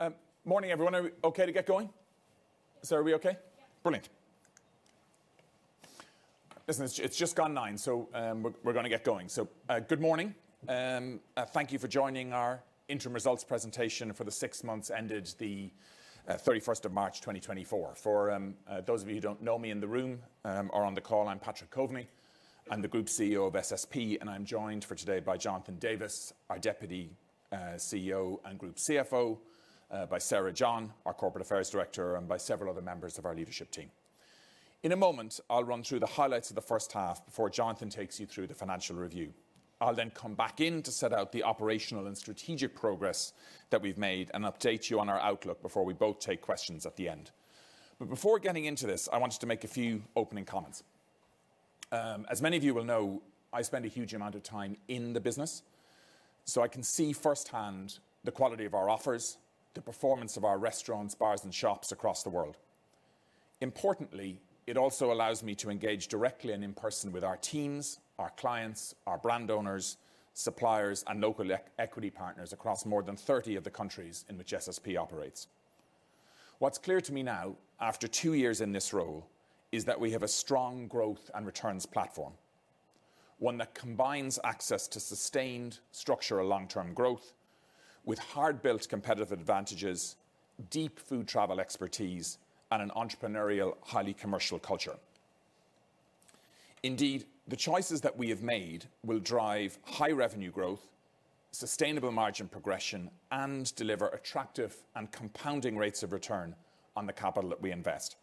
Great. Morning, everyone. Are we okay to get going? Sarah, are we okay? Yeah. Brilliant! Listen, it's just gone 9:00 A.M., so we're gonna get going. Good morning, thank you for joining our interim results presentation for the six months ended the 31st of March 2024. For those of you who don't know me in the room or on the call, I'm Patrick Coveney. I'm the Group CEO of SSP, and I'm joined for today by Jonathan Davis, our Deputy CEO and Group CFO, by Sarah John, our Corporate Affairs Director, and by several other members of our leadership team. In a moment, I'll run through the highlights of the first half before Jonathan takes you through the financial review. I'll then come back in to set out the operational and strategic progress that we've made and update you on our outlook before we both take questions at the end. But before getting into this, I wanted to make a few opening comments. As many of you will know, I spend a huge amount of time in the business, so I can see firsthand the quality of our offers, the performance of our restaurants, bars, and shops across the world. Importantly, it also allows me to engage directly and in person with our teams, our clients, our brand owners, suppliers, and local equity partners across more than 30 of the countries in which SSP operates. What's clear to me now, after two years in this role, is that we have a strong growth and returns platform. One that combines access to sustained, structural long-term growth with hard-built competitive advantages, deep food travel expertise, and an entrepreneurial, highly commercial culture. Indeed, the choices that we have made will drive high revenue growth, sustainable margin progression, and deliver attractive and compounding rates of return on the capital that we invest.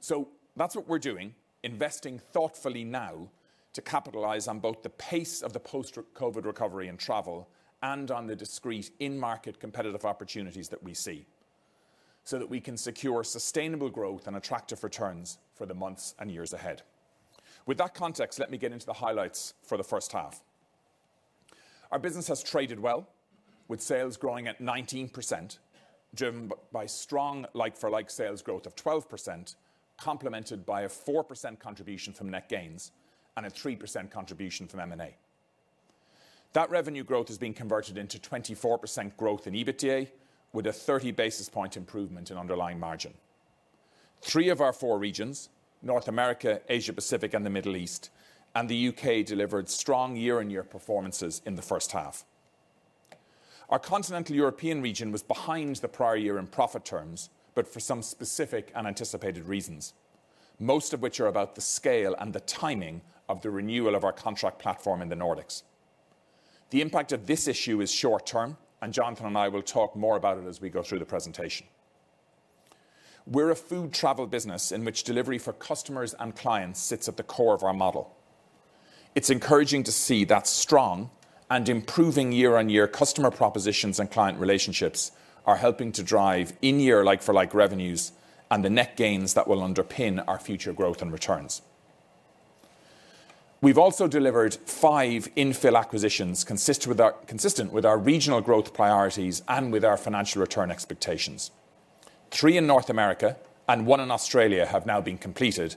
So that's what we're doing, investing thoughtfully now to capitalize on both the pace of the post-COVID recovery and travel and on the discrete in-market competitive opportunities that we see, so that we can secure sustainable growth and attractive returns for the months and years ahead. With that context, let me get into the highlights for the first half. Our business has traded well, with sales growing at 19%, driven by strong like-for-like sales growth of 12%, complemented by a 4% contribution from net gains and a 3% contribution from M&A. That revenue growth is being converted into 24% growth in EBITDA, with a 30 basis point improvement in underlying margin. Three of our four regions, North America, Asia Pacific, and the Middle East, and the U.K. delivered strong year-on-year performances in the first half. Our Continental European region was behind the prior year in profit terms, but for some specific and anticipated reasons, most of which are about the scale and the timing of the renewal of our contract platform in the Nordics. The impact of this issue is short term, and Jonathan and I will talk more about it as we go through the presentation. We're a food travel business in which delivery for customers and clients sits at the core of our model. It's encouraging to see that strong and improving year-on-year customer propositions and client relationships are helping to drive in-year, like-for-like revenues and the net gains that will underpin our future growth and returns. We've also delivered five infill acquisitions, consistent with our regional growth priorities and with our financial return expectations. Three in North America and one in Australia have now been completed,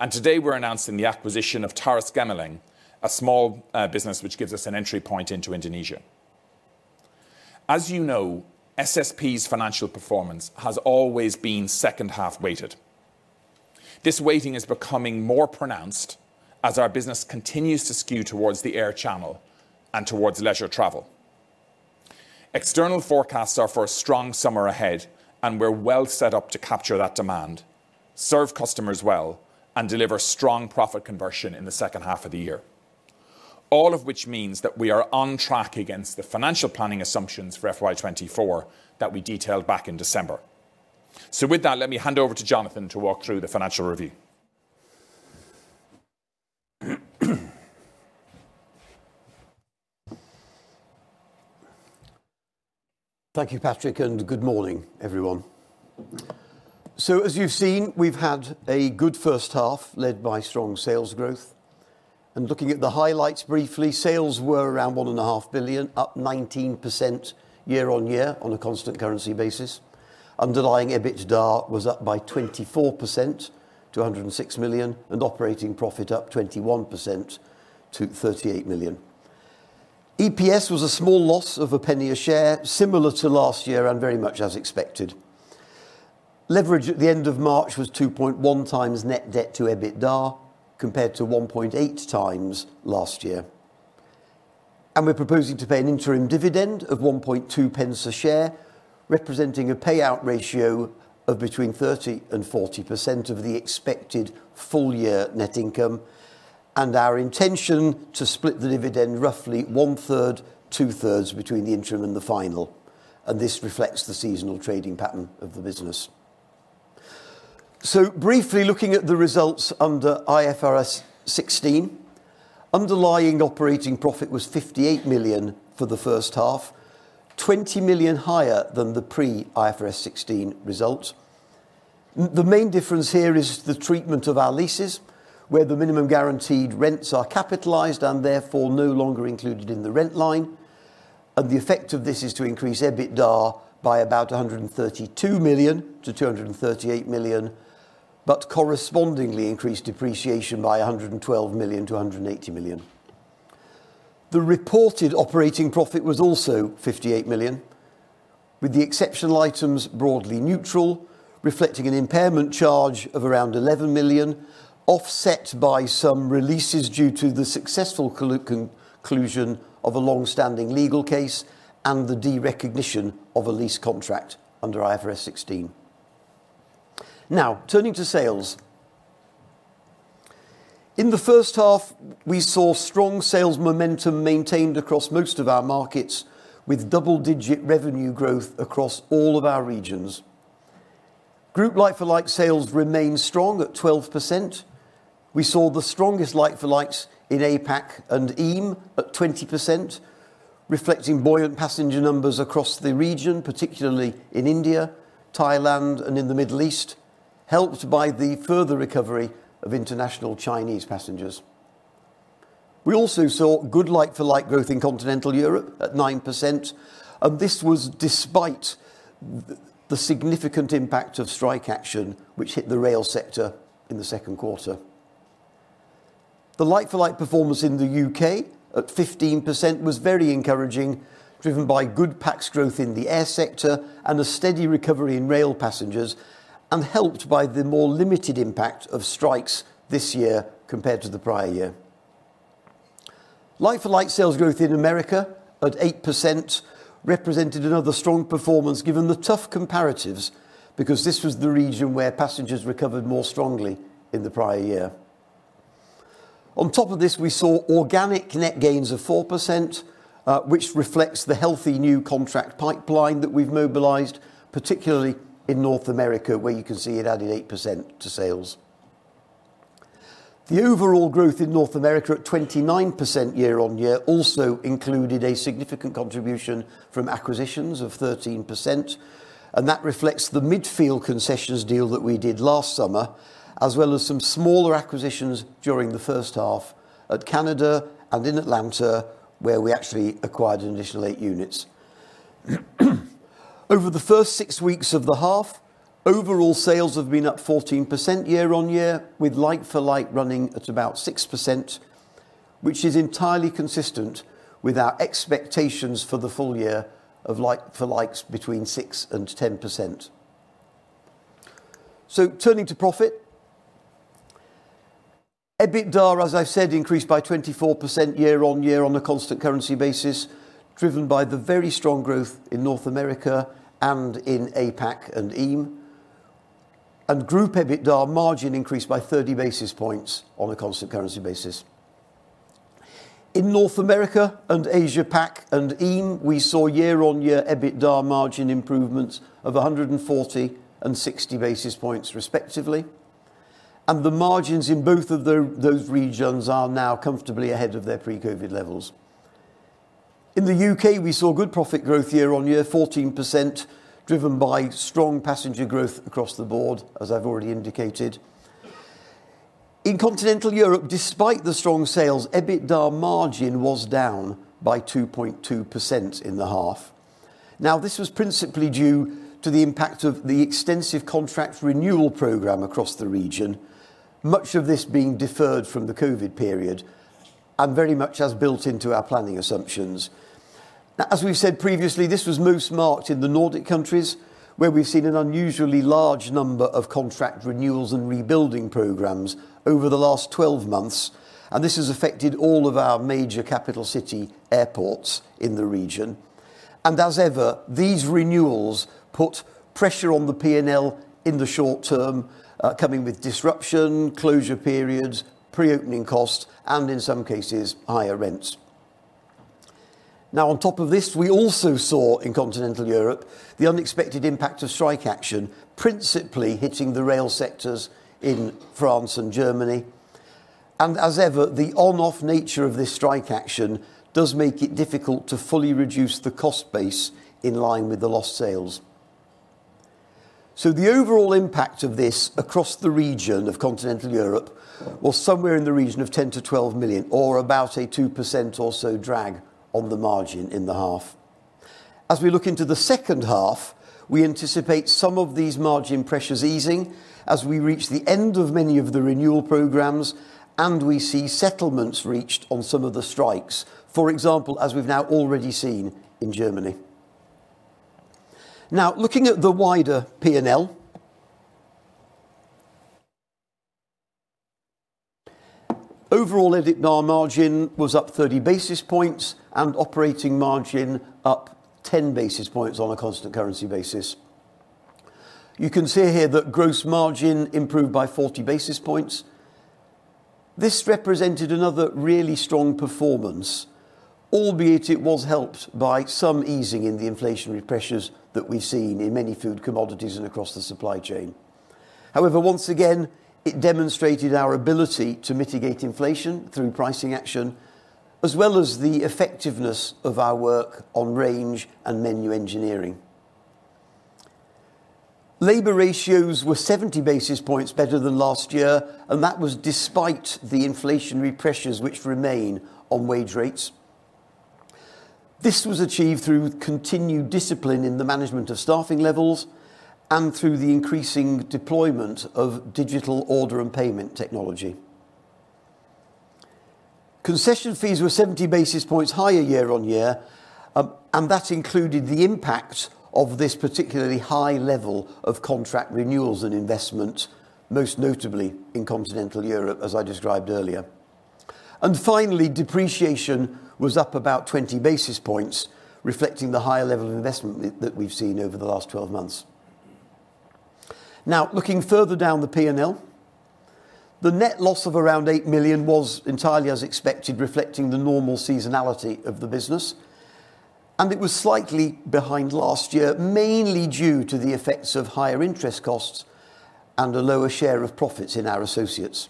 and today we're announcing the acquisition of Taurus Gemilang, a small business which gives us an entry point into Indonesia. As you know, SSP's financial performance has always been second-half weighted. This weighting is becoming more pronounced as our business continues to skew towards the air channel and towards leisure travel. External forecasts are for a strong summer ahead, and we're well set up to capture that demand, serve customers well, and deliver strong profit conversion in the second half of the year. All of which means that we are on track against the financial planning assumptions for FY 2024 that we detailed back in December. With that, let me hand over to Jonathan to walk through the financial review. Thank you, Patrick, and good morning, everyone. So as you've seen, we've had a good first half, led by strong sales growth. And looking at the highlights briefly, sales were around 1.5 billion, up 19% year-over-year on a constant currency basis. Underlying EBITDA was up by 24% to 106 million, and operating profit up 21% to 38 million. EPS was a small loss of £0.01 a share, similar to last year and very much as expected. Leverage at the end of March was 2.1x net debt to EBITDA, compared to 1.8x last year. We're proposing to pay an interim dividend of 0.012 per share, representing a payout ratio of between 30%-40% of the expected full-year net income, and our intention to split the dividend roughly 1/3, 2/3 between the interim and the final, and this reflects the seasonal trading pattern of the business. So briefly looking at the results under IFRS 16, underlying operating profit was 58 million for the first half, 20 million higher than the pre-IFRS 16 results. The main difference here is the treatment of our leases, where the minimum guaranteed rents are capitalized and therefore no longer included in the rent line. The effect of this is to increase EBITDA by about 132 million-238 million, but correspondingly increased depreciation by 112 million-180 million. The reported operating profit was also 58 million, with the exceptional items broadly neutral, reflecting an impairment charge of around 11 million, offset by some releases due to the successful conclusion of a long-standing legal case and the derecognition of a lease contract under IFRS 16. Now, turning to sales. In the first half, we saw strong sales momentum maintained across most of our markets, with double-digit revenue growth across all of our regions. Group like-for-like sales remained strong at 12%. We saw the strongest like-for-likes in APAC and EAME at 20%, reflecting buoyant passenger numbers across the region, particularly in India, Thailand, and in the Middle East, helped by the further recovery of international Chinese passengers. We also saw good like-for-like growth in Continental Europe at 9%, and this was despite the significant impact of strike action, which hit the rail sector in the second quarter. The like-for-like performance in the U.K. at 15% was very encouraging, driven by good PAX growth in the air sector and a steady recovery in rail passengers, and helped by the more limited impact of strikes this year compared to the prior year. Like-for-like sales growth in America at 8% represented another strong performance given the tough comparatives, because this was the region where passengers recovered more strongly in the prior year. On top of this, we saw organic net gains of 4%, which reflects the healthy new contract pipeline that we've mobilized, particularly in North America, where you can see it added 8% to sales. The overall growth in North America at 29% year-on-year also included a significant contribution from acquisitions of 13%, and that reflects the Midfield Concession Enterprises deal that we did last summer, as well as some smaller acquisitions during the first half in Canada and in Atlanta, where we actually acquired an additional 8 units. Over the first six weeks of the half, overall sales have been up 14% year-on-year, with like-for-like running at about 6%, which is entirely consistent with our expectations for the full year of like-for-likes between 6% and 10%. So turning to profit, EBITDA, as I've said, increased by 24% year-on-year on a constant currency basis, driven by the very strong growth in North America and in APAC and EAME. Group EBITDA margin increased by 30 basis points on a constant currency basis. In North America and Asia PAC and EAME, we saw year-on-year EBITDA margin improvements of 140 and 60 basis points, respectively, and the margins in both of those regions are now comfortably ahead of their pre-COVID levels. In the U.K., we saw good profit growth year-on-year, 14%, driven by strong passenger growth across the board, as I've already indicated. In Continental Europe, despite the strong sales, EBITDA margin was down by 2.2% in the half. Now, this was principally due to the impact of the extensive contract renewal program across the region, much of this being deferred from the COVID period and very much as built into our planning assumptions. Now, as we've said previously, this was most marked in the Nordic countries, where we've seen an unusually large number of contract renewals and rebuilding programs over the last 12 months, and this has affected all of our major capital city airports in the region. And as ever, these renewals put pressure on the P&L in the short term, coming with disruption, closure periods, pre-opening costs, and in some cases, higher rents. Now, on top of this, we also saw in Continental Europe the unexpected impact of strike action, principally hitting the rail sectors in France and Germany. And as ever, the on/off nature of this strike action does make it difficult to fully reduce the cost base in line with the lost sales. So the overall impact of this across the region of continental Europe was somewhere in the region of 10 million-12 million, or about a 2% or so drag on the margin in the half. As we look into the second half, we anticipate some of these margin pressures easing as we reach the end of many of the renewal programs, and we see settlements reached on some of the strikes, for example, as we've now already seen in Germany. Now, looking at the wider P&L, overall EBITDA margin was up 30 basis points and operating margin up 10 basis points on a constant currency basis. You can see here that gross margin improved by 40 basis points. This represented another really strong performance, albeit it was helped by some easing in the inflationary pressures that we've seen in many food commodities and across the supply chain. However, once again, it demonstrated our ability to mitigate inflation through pricing action, as well as the effectiveness of our work on range and menu engineering. Labor ratios were 70 basis points better than last year, and that was despite the inflationary pressures which remain on wage rates. This was achieved through continued discipline in the management of staffing levels and through the increasing deployment of digital order and payment technology. Concession fees were 70 basis points higher year-on-year, and that included the impact of this particularly high level of contract renewals and investment, most notably in continental Europe, as I described earlier. And finally, depreciation was up about 20 basis points, reflecting the higher level of investment that, that we've seen over the last 12 months. Now, looking further down the P&L, the net loss of around 8 million was entirely as expected, reflecting the normal seasonality of the business, and it was slightly behind last year, mainly due to the effects of higher interest costs and a lower share of profits in our associates.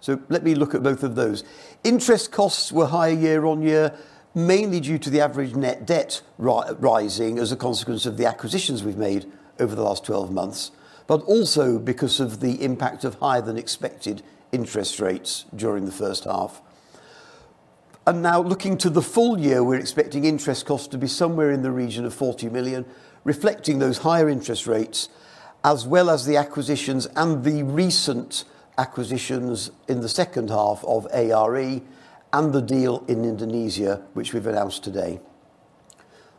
So let me look at both of those. Interest costs were higher year-on-year, mainly due to the average net debt rising as a consequence of the acquisitions we've made over the last 12 months, but also because of the impact of higher than expected interest rates during the first half. And now, looking to the full year, we're expecting interest costs to be somewhere in the region of 40 million, reflecting those higher interest rates, as well as the acquisitions and the recent acquisitions in the second half of ARE and the deal in Indonesia, which we've announced today.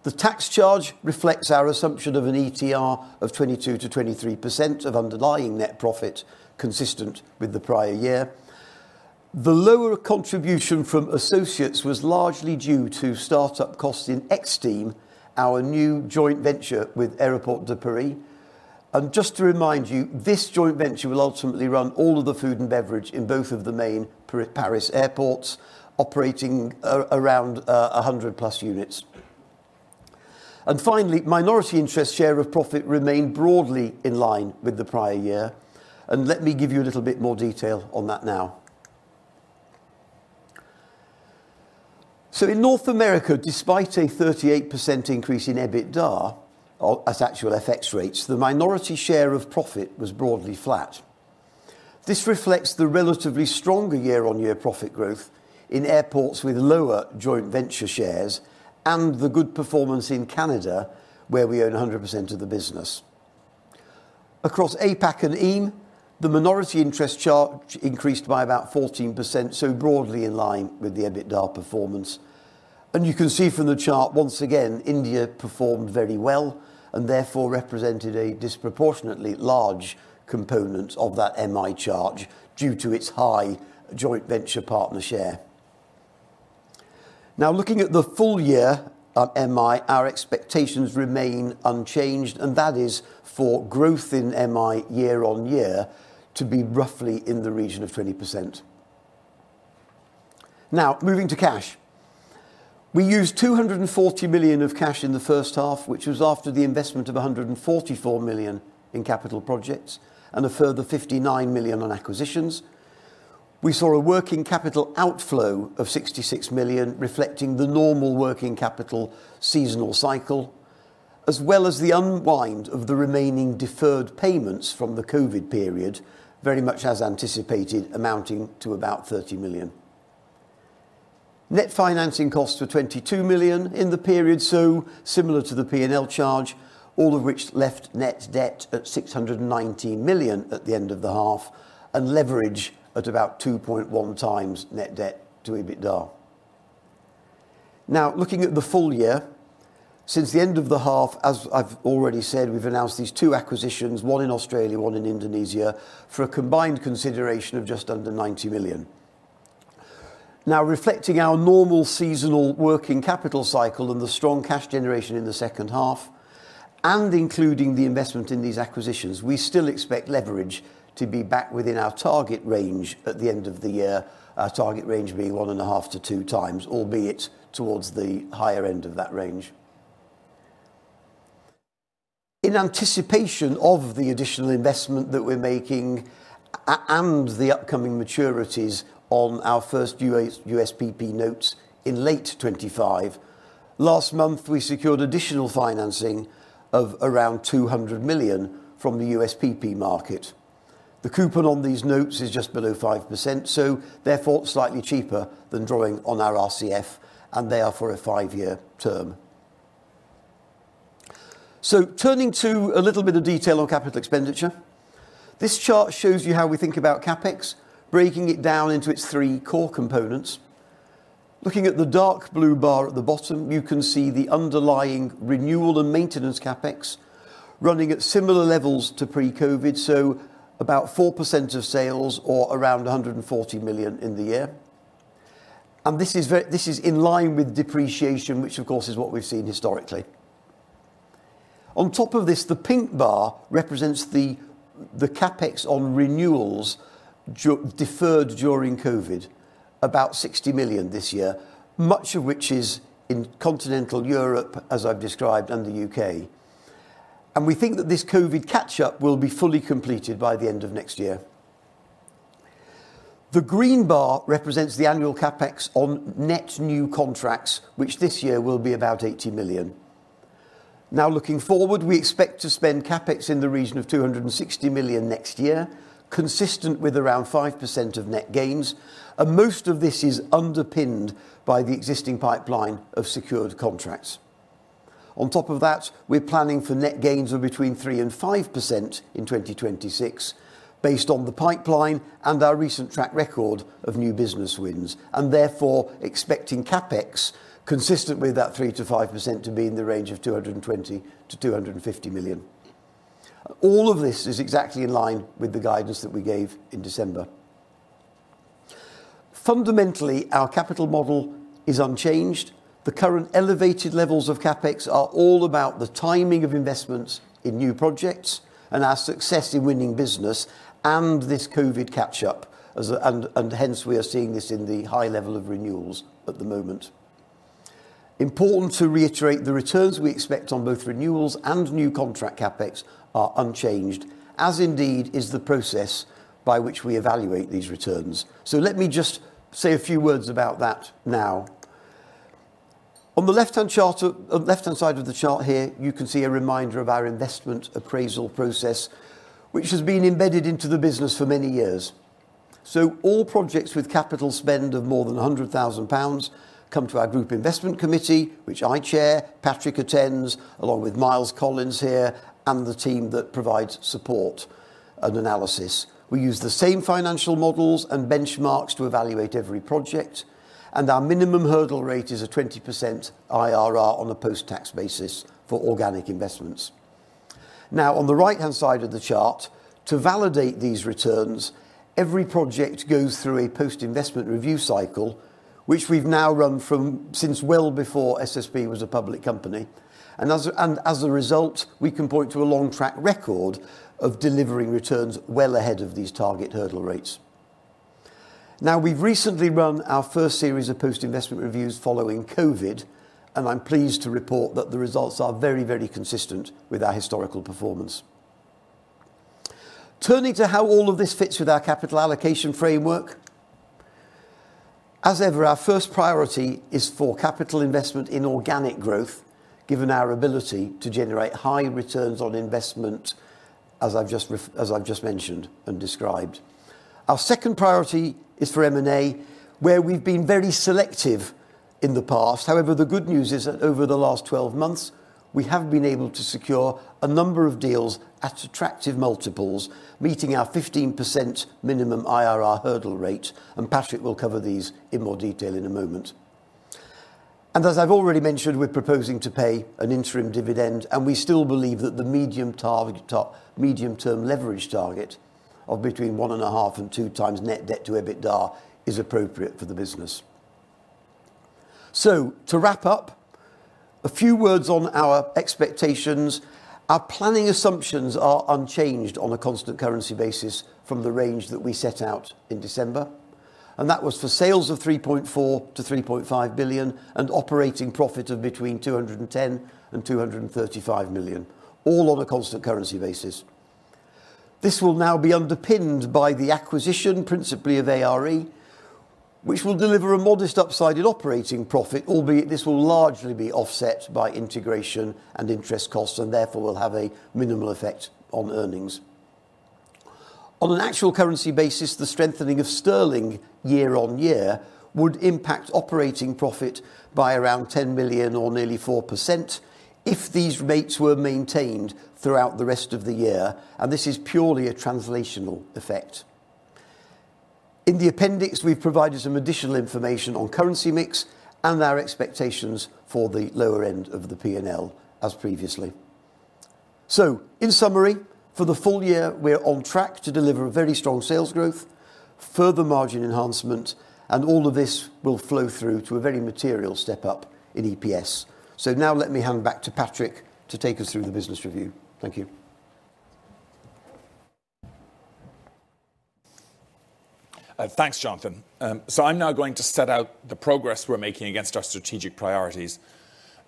The tax charge reflects our assumption of an ETR of 22%-23% of underlying net profit, consistent with the prior year. The lower contribution from associates was largely due to start-up costs in Extime, our new joint venture with Aéroports de Paris. And just to remind you, this joint venture will ultimately run all of the food and beverage in both of the main Paris airports, operating around 100+ units. And finally, minority interest share of profit remained broadly in line with the prior year, and let me give you a little bit more detail on that now. So in North America, despite a 38% increase in EBITDA, or at actual FX rates, the minority share of profit was broadly flat. This reflects the relatively stronger year-on-year profit growth in airports with lower joint venture shares and the good performance in Canada, where we own 100% of the business. Across APAC and EAME, the minority interest charge increased by about 14%, so broadly in line with the EBITDA performance. You can see from the chart, once again, India performed very well and therefore represented a disproportionately large component of that MI charge due to its high joint venture partner share. Now, looking at the full year of MI, our expectations remain unchanged, and that is for growth in MI year-on-year to be roughly in the region of 20%. Now, moving to cash. We used 240 million of cash in the first half, which was after the investment of 144 million in capital projects and a further 59 million on acquisitions. We saw a working capital outflow of 66 million, reflecting the normal working capital seasonal cycle, as well as the unwind of the remaining deferred payments from the COVID period, very much as anticipated, amounting to about 30 million. Net financing costs were 22 million in the period, so similar to the P&L charge, all of which left net debt at 619 million at the end of the half, and leverage at about 2.1x net debt to EBITDA. Now, looking at the full year, since the end of the half, as I've already said, we've announced these two acquisitions, one in Australia, one in Indonesia, for a combined consideration of just under 90 million. Now, reflecting our normal seasonal working capital cycle and the strong cash generation in the second half, and including the investment in these acquisitions, we still expect leverage to be back within our target range at the end of the year, our target range being 1.5-2x, albeit towards the higher end of that range. In anticipation of the additional investment that we're making and the upcoming maturities on our first USPP notes in late 2025, last month, we secured additional financing of around $200 million from the USPP market. The coupon on these notes is just below 5%, so therefore, slightly cheaper than drawing on our RCF, and they are for a five-year term. So turning to a little bit of detail on capital expenditure. This chart shows you how we think about CapEx, breaking it down into its three core components. Looking at the dark blue bar at the bottom, you can see the underlying renewal and maintenance CapEx running at similar levels to pre-COVID, so about 4% of sales or around 140 million in the year. This is in line with depreciation, which, of course, is what we've seen historically. On top of this, the pink bar represents the CapEx on renewals deferred during COVID, about 60 million this year, much of which is in Continental Europe, as I've described, and the U.K.. We think that this COVID catch-up will be fully completed by the end of next year. The green bar represents the annual CapEx on net new contracts, which this year will be about 80 million. Now looking forward, we expect to spend CapEx in the region of 260 million next year, consistent with around 5% of net gains, and most of this is underpinned by the existing pipeline of secured contracts. On top of that, we're planning for net gains of between 3% and 5% in 2026, based on the pipeline and our recent track record of new business wins, and therefore expecting CapEx consistent with that 3%-5% to be in the range of 220 million-250 million. All of this is exactly in line with the guidance that we gave in December. Fundamentally, our capital model is unchanged. The current elevated levels of CapEx are all about the timing of investments in new projects and our success in winning business and this COVID catch-up, and hence, we are seeing this in the high level of renewals at the moment. Important to reiterate, the returns we expect on both renewals and new contract CapEx are unchanged, as indeed is the process by which we evaluate these returns. So let me just say a few words about that now. On the left-hand chart, left-hand side of the chart here, you can see a reminder of our investment appraisal process, which has been embedded into the business for many years. So all projects with capital spend of more than 100,000 pounds come to our group investment committee, which I chair, Patrick attends, along with Miles Collins here, and the team that provides support and analysis. We use the same financial models and benchmarks to evaluate every project, and our minimum hurdle rate is a 20% IRR on a post-tax basis for organic investments. Now, on the right-hand side of the chart, to validate these returns, every project goes through a post-investment review cycle, which we've now run from since well before SSP was a public company. And as a, and as a result, we can point to a long track record of delivering returns well ahead of these target hurdle rates. Now, we've recently run our first series of post-investment reviews following COVID, and I'm pleased to report that the results are very, very consistent with our historical performance. Turning to how all of this fits with our capital allocation framework, as ever, our first priority is for capital investment in organic growth, given our ability to generate high returns on investment, as I've just mentioned and described. Our second priority is for M&A, where we've been very selective in the past. However, the good news is that over the last 12 months, we have been able to secure a number of deals at attractive multiples, meeting our 15% minimum IRR hurdle rate, and Patrick will cover these in more detail in a moment. As I've already mentioned, we're proposing to pay an interim dividend, and we still believe that the medium-term leverage target of between 1.5 and 2x net debt to EBITDA is appropriate for the business. So to wrap up, a few words on our expectations. Our planning assumptions are unchanged on a constant currency basis from the range that we set out in December, and that was for sales of 3.4 billion-3.5 billion and operating profit of between 210 million and 235 million, all on a constant currency basis. This will now be underpinned by the acquisition, principally of ARE, which will deliver a modest upside in operating profit, albeit this will largely be offset by integration and interest costs, and therefore will have a minimal effect on earnings. On an actual currency basis, the strengthening of sterling year-on-year would impact operating profit by around 10 million or nearly 4% if these rates were maintained throughout the rest of the year, and this is purely a translational effect. In the appendix, we've provided some additional information on currency mix and our expectations for the lower end of the P&L as previously. So in summary, for the full year, we're on track to deliver a very strong sales growth, further margin enhancement, and all of this will flow through to a very material step-up in EPS. So now let me hand back to Patrick to take us through the business review. Thank you. Thanks, Jonathan. So I'm now going to set out the progress we're making against our strategic priorities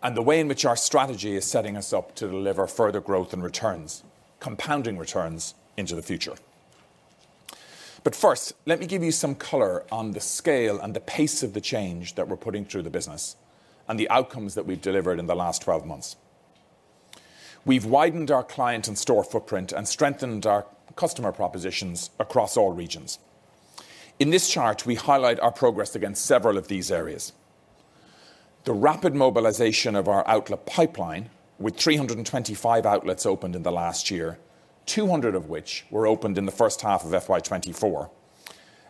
and the way in which our strategy is setting us up to deliver further growth and returns, compounding returns into the future. But first, let me give you some color on the scale and the pace of the change that we're putting through the business and the outcomes that we've delivered in the last 12 months. We've widened our client and store footprint and strengthened our customer propositions across all regions. In this chart, we highlight our progress against several of these areas. The rapid mobilization of our outlet pipeline, with 325 outlets opened in the last year, 200 of which were opened in the first half of FY 2024,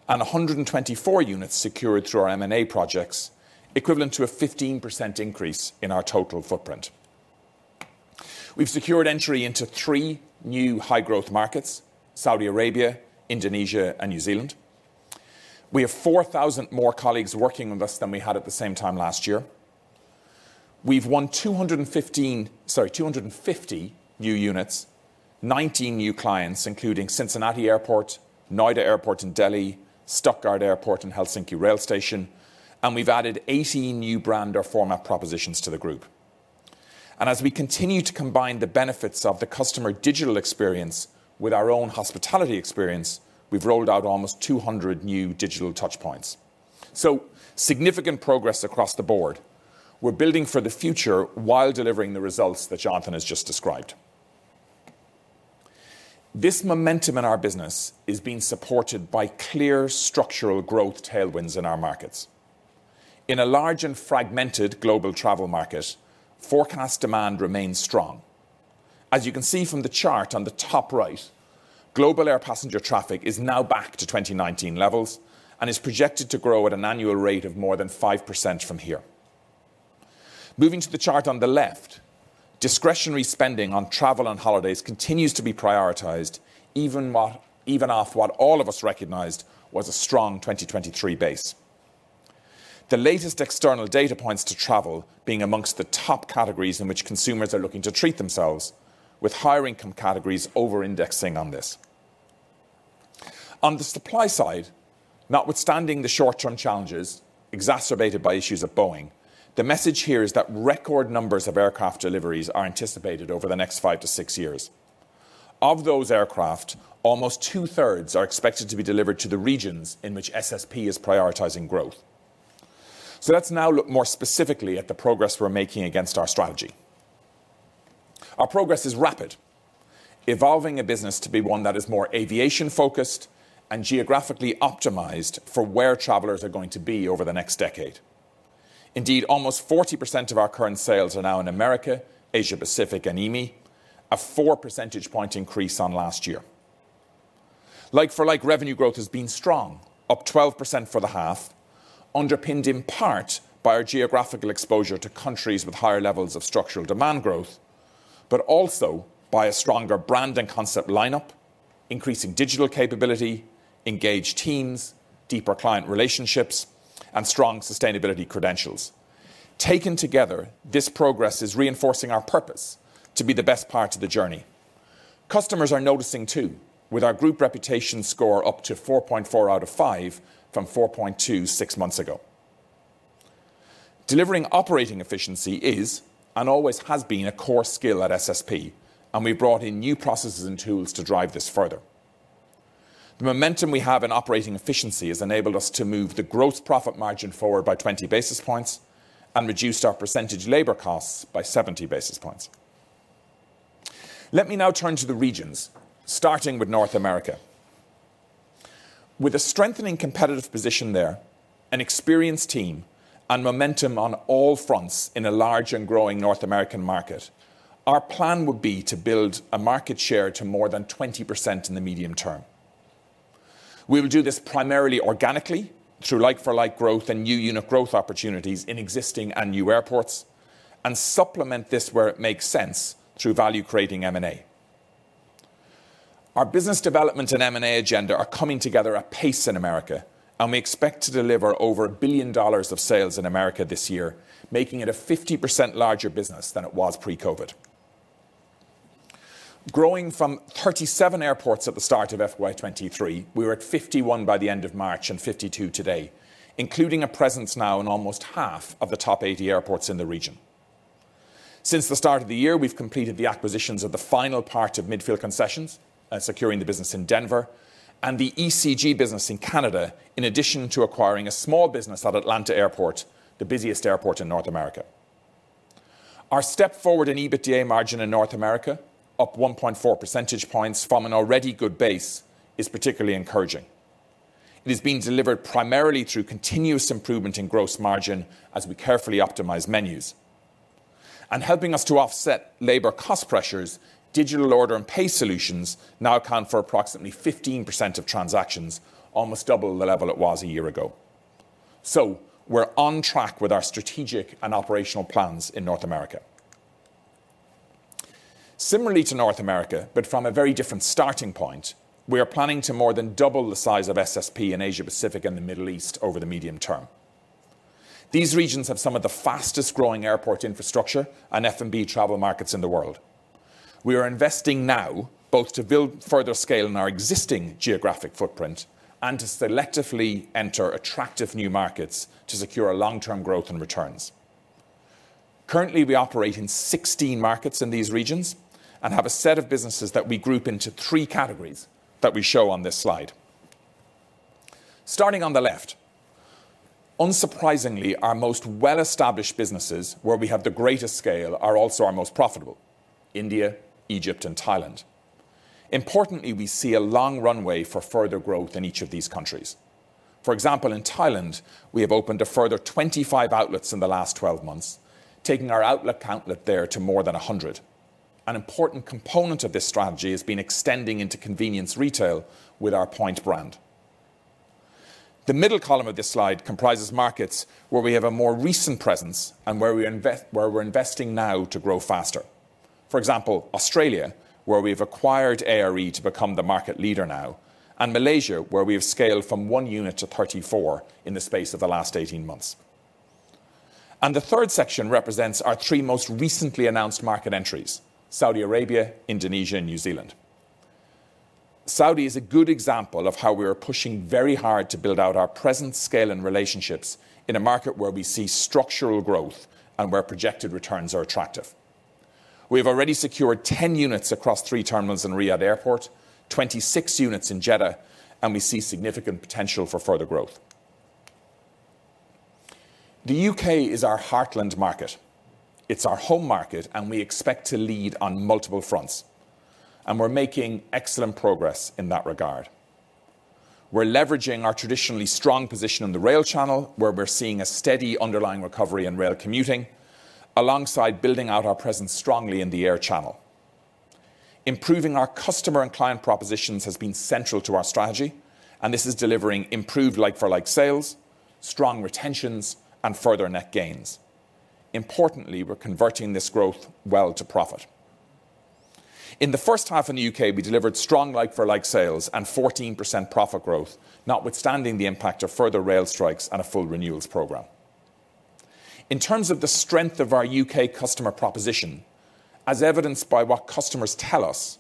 and 124 units secured through our M&A projects, equivalent to a 15% increase in our total footprint. We've secured entry into three new high-growth markets: Saudi Arabia, Indonesia, and New Zealand. We have 4,000 more colleagues working with us than we had at the same time last year. We've won 215, sorry, 250 new units, 19 new clients, including Cincinnati Airport, Noida Airport in Delhi, Stuttgart Airport, and Helsinki Rail Station, and we've added 18 new brand or format propositions to the group. As we continue to combine the benefits of the customer digital experience with our own hospitality experience, we've rolled out almost 200 new digital touchpoints.... So significant progress across the board. We're building for the future while delivering the results that Jonathan has just described. This momentum in our business is being supported by clear structural growth tailwinds in our markets. In a large and fragmented global travel market, forecast demand remains strong. As you can see from the chart on the top right, global air passenger traffic is now back to 2019 levels and is projected to grow at an annual rate of more than 5% from here. Moving to the chart on the left, discretionary spending on travel and holidays continues to be prioritized, even off what all of us recognized was a strong 2023 base. The latest external data points to travel being among the top categories in which consumers are looking to treat themselves, with higher income categories over-indexing on this. On the supply side, notwithstanding the short-term challenges exacerbated by issues of Boeing, the message here is that record numbers of aircraft deliveries are anticipated over the next five to six years. Of those aircraft, almost 2/3 are expected to be delivered to the regions in which SSP is prioritizing growth. So let's now look more specifically at the progress we're making against our strategy. Our progress is rapid, evolving a business to be one that is more aviation-focused and geographically optimized for where travelers are going to be over the next decade. Indeed, almost 40% of our current sales are now in America, Asia Pacific, and EMEA, a 4 percentage point increase on last year. Like-for-like revenue growth has been strong, up 12% for the half, underpinned in part by our geographical exposure to countries with higher levels of structural demand growth, but also by a stronger brand and concept lineup, increasing digital capability, engaged teams, deeper client relationships, and strong sustainability credentials. Taken together, this progress is reinforcing our purpose to be the best part of the journey. Customers are noticing, too, with our group reputation score up to 4.4 out of five from 4.2 six months ago. Delivering operating efficiency is, and always has been, a core skill at SSP, and we brought in new processes and tools to drive this further. The momentum we have in operating efficiency has enabled us to move the growth profit margin forward by 20 basis points and reduced our percentage labor costs by 70 basis points. Let me now turn to the regions, starting with North America. With a strengthening competitive position there, an experienced team, and momentum on all fronts in a large and growing North American market, our plan would be to build a market share to more than 20% in the medium term. We will do this primarily organically, through like-for-like growth and new unit growth opportunities in existing and new airports, and supplement this where it makes sense through value-creating M&A. Our business development and M&A agenda are coming together at pace in America, and we expect to deliver over $1 billion of sales in America this year, making it a 50% larger business than it was pre-COVID. Growing from 37 airports at the start of FY 2023, we were at 51 by the end of March and 52 today, including a presence now in almost half of the top 80 airports in the region. Since the start of the year, we've completed the acquisitions of the final part of Midfield Concessions, securing the business in Denver, and the ECG business in Canada, in addition to acquiring a small business at Atlanta Airport, the busiest airport in North America. Our step forward in EBITDA margin in North America, up 1.4 percentage points from an already good base, is particularly encouraging. It is being delivered primarily through continuous improvement in gross margin as we carefully optimize menus. And helping us to offset labor cost pressures, digital order and pay solutions now account for approximately 15% of transactions, almost double the level it was a year ago. So we're on track with our strategic and operational plans in North America. Similarly to North America, but from a very different starting point, we are planning to more than double the size of SSP in Asia Pacific and the Middle East over the medium term. These regions have some of the fastest-growing airport infrastructure and F&B travel markets in the world. We are investing now both to build further scale in our existing geographic footprint and to selectively enter attractive new markets to secure long-term growth and returns. Currently, we operate in 16 markets in these regions and have a set of businesses that we group into three categories that we show on this slide. Starting on the left, unsurprisingly, our most well-established businesses, where we have the greatest scale, are also our most profitable: India, Egypt, and Thailand. Importantly, we see a long runway for further growth in each of these countries. For example, in Thailand, we have opened a further 25 outlets in the last 12 months, taking our outlet count there to more than 100. An important component of this strategy has been extending into convenience retail with our Point brand. The middle column of this slide comprises markets where we have a more recent presence and where we invest, where we're investing now to grow faster. For example, Australia, where we've acquired ARE to become the market leader now, and Malaysia, where we have scaled from one unit to 34 in the space of the last 18 months. The third section represents our three most recently announced market entries: Saudi Arabia, Indonesia, and New Zealand. Saudi is a good example of how we are pushing very hard to build out our presence, scale, and relationships in a market where we see structural growth and where projected returns are attractive. We have already secured 10 units across three terminals in Riyadh Airport, 26 units in Jeddah, and we see significant potential for further growth. The U.K. is our heartland market. It's our home market, and we expect to lead on multiple fronts, and we're making excellent progress in that regard. We're leveraging our traditionally strong position in the rail channel, where we're seeing a steady underlying recovery in rail commuting, alongside building out our presence strongly in the air channel. Improving our customer and client propositions has been central to our strategy, and this is delivering improved like-for-like sales, strong retentions, and further net gains. Importantly, we're converting this growth well to profit. In the first half in the U.K., we delivered strong like-for-like sales and 14% profit growth, notwithstanding the impact of further rail strikes and a full renewals program. In terms of the strength of our U.K. customer proposition, as evidenced by what customers tell us,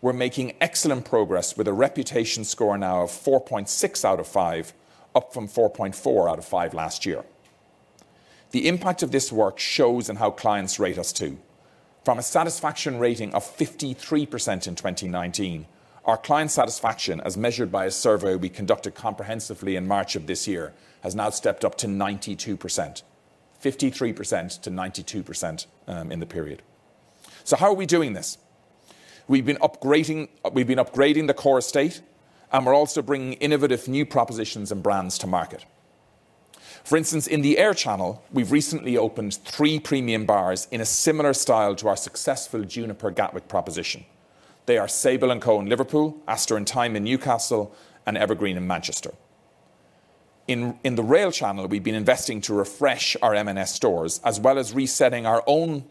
we're making excellent progress with a reputation score now of 4.6 out of five, up from 4.4 out of five last year. The impact of this work shows in how clients rate us, too. From a satisfaction rating of 53% in 2019, our client satisfaction, as measured by a survey we conducted comprehensively in March of this year, has now stepped up to 92%. 53%-92% in the period. So how are we doing this? We've been upgrading, we've been upgrading the core estate, and we're also bringing innovative new propositions and brands to market. For instance, in the air channel, we've recently opened three premium bars in a similar style to our successful Juniper Gatwick proposition. They are Sable & Co in Liverpool, Aster & Thyme in Newcastle, and Evergreen in Manchester. In the rail channel, we've been investing to refresh our M&S stores, as well as resetting our own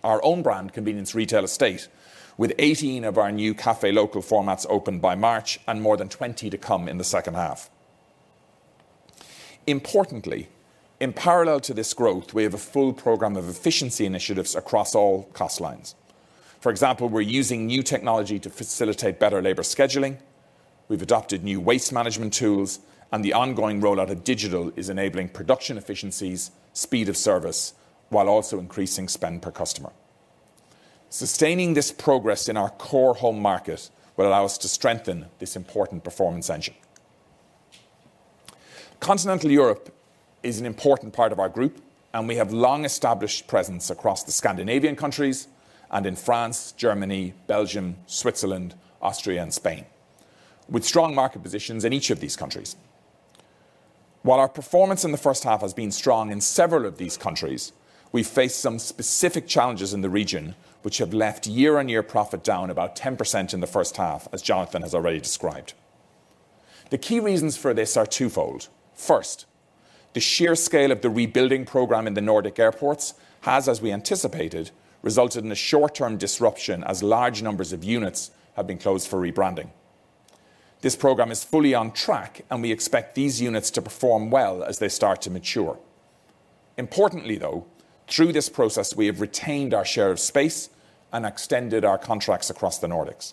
brand convenience retail estate, with 18 of our new Café Local formats opened by March and more than 20 to come in the second half. Importantly, in parallel to this growth, we have a full program of efficiency initiatives across all cost lines. For example, we're using new technology to facilitate better labor scheduling, we've adopted new waste management tools, and the ongoing rollout of digital is enabling production efficiencies, speed of service, while also increasing spend per customer. Sustaining this progress in our core home market will allow us to strengthen this important performance engine. Continental Europe is an important part of our group, and we have long-established presence across the Scandinavian countries and in France, Germany, Belgium, Switzerland, Austria, and Spain, with strong market positions in each of these countries. While our performance in the first half has been strong in several of these countries, we faced some specific challenges in the region, which have left year-on-year profit down about 10% in the first half, as Jonathan has already described. The key reasons for this are twofold. First, the sheer scale of the rebuilding program in the Nordic airports has, as we anticipated, resulted in a short-term disruption as large numbers of units have been closed for rebranding. This program is fully on track, and we expect these units to perform well as they start to mature. Importantly, though, through this process, we have retained our share of space and extended our contracts across the Nordics.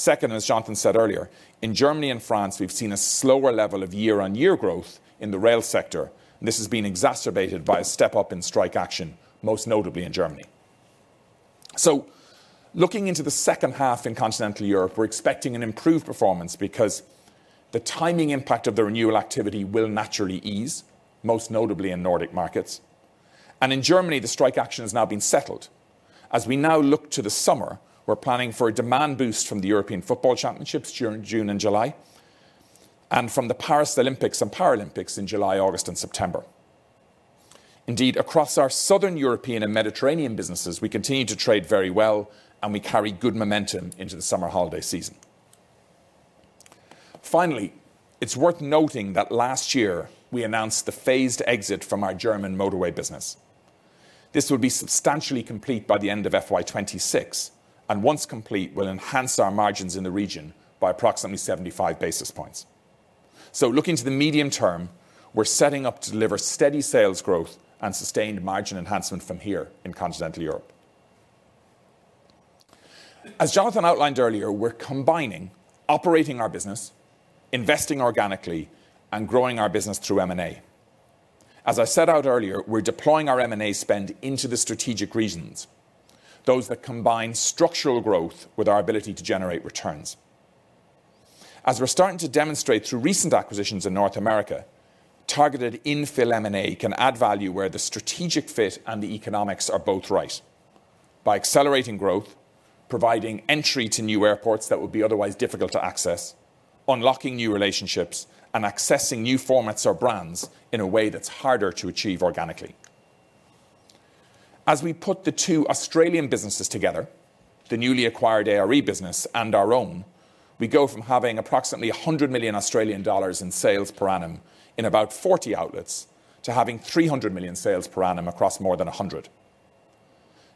Second, as Jonathan said earlier, in Germany and France, we've seen a slower level of year-on-year growth in the rail sector, and this has been exacerbated by a step up in strike action, most notably in Germany. So looking into the second half in continental Europe, we're expecting an improved performance because the timing impact of the renewal activity will naturally ease, most notably in Nordic markets. And in Germany, the strike action has now been settled. As we now look to the summer, we're planning for a demand boost from the European Football Championships during June and July and from the Paris Olympics and Paralympics in July, August, and September. Indeed, across our Southern European and Mediterranean businesses, we continue to trade very well, and we carry good momentum into the summer holiday season. Finally, it's worth noting that last year we announced the phased exit from our German motorway business. This will be substantially complete by the end of FY 2026, and once complete, will enhance our margins in the region by approximately 75 basis points. So looking to the medium term, we're setting up to deliver steady sales growth and sustained margin enhancement from here in continental Europe. As Jonathan outlined earlier, we're combining operating our business, investing organically, and growing our business through M&A. As I set out earlier, we're deploying our M&A spend into the strategic regions, those that combine structural growth with our ability to generate returns. As we're starting to demonstrate through recent acquisitions in North America, targeted infill M&A can add value where the strategic fit and the economics are both right by accelerating growth, providing entry to new airports that would be otherwise difficult to access, unlocking new relationships, and accessing new formats or brands in a way that's harder to achieve organically. As we put the two Australian businesses together, the newly acquired ARE business and our own, we go from having approximately 100 million Australian dollars in sales per annum in about 40 outlets to having 300 million sales per annum across more than 100.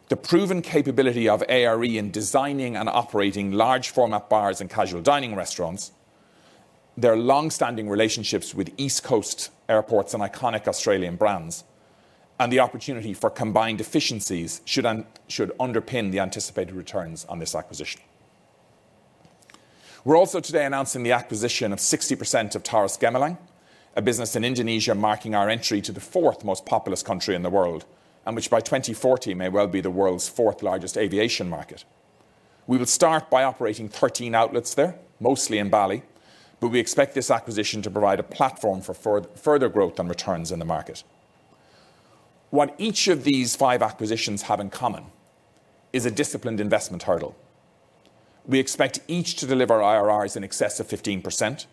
The proven capability of ARE in designing and operating large-format bars and casual dining restaurants, their longstanding relationships with East Coast airports and iconic Australian brands, and the opportunity for combined efficiencies should underpin the anticipated returns on this acquisition. We're also today announcing the acquisition of 60% of Taurus Gemilang, a business in Indonesia, marking our entry to the 4th most populous country in the world, and which by 2040 may well be the world's 4th largest aviation market. We will start by operating 13 outlets there, mostly in Bali, but we expect this acquisition to provide a platform for further growth and returns in the market. What each of these five acquisitions have in common is a disciplined investment hurdle. We expect each to deliver IRRs in excess of 15%,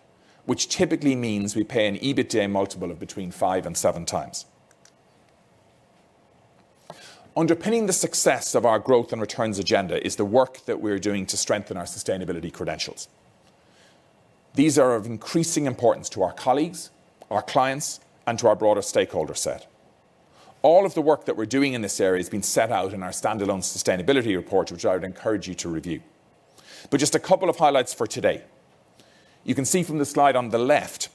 which typically means we pay an EBITDA multiple of between 5x and 7x. Underpinning the success of our growth and returns agenda is the work that we're doing to strengthen our sustainability credentials. These are of increasing importance to our colleagues, our clients, and to our broader stakeholder set. All of the work that we're doing in this area has been set out in our standalone sustainability report, which I would encourage you to review. But just a couple of highlights for today. You can see from the slide on the left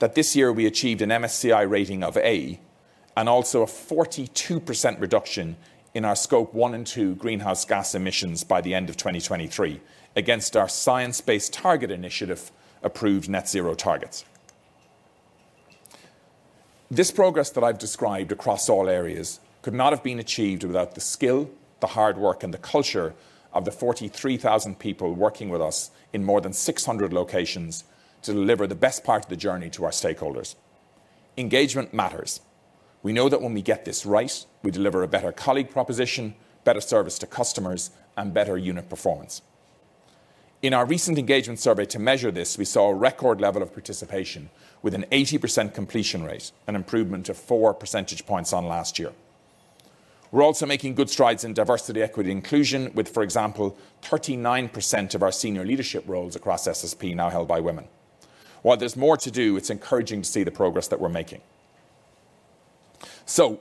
that this year we achieved an MSCI rating of A, and also a 42% reduction in our Scope one and two greenhouse gas emissions by the end of 2023, against our Science Based Targets initiative, approved net zero targets. This progress that I've described across all areas could not have been achieved without the skill, the hard work, and the culture of the 43,000 people working with us in more than 600 locations to deliver the best part of the journey to our stakeholders. Engagement matters. We know that when we get this right, we deliver a better colleague proposition, better service to customers, and better unit performance. In our recent engagement survey to measure this, we saw a record level of participation with an 80% completion rate, an improvement of 4 percentage points on last year. We're also making good strides in diversity, equity, and inclusion, with, for example, 39% of our senior leadership roles across SSP now held by women. While there's more to do, it's encouraging to see the progress that we're making. So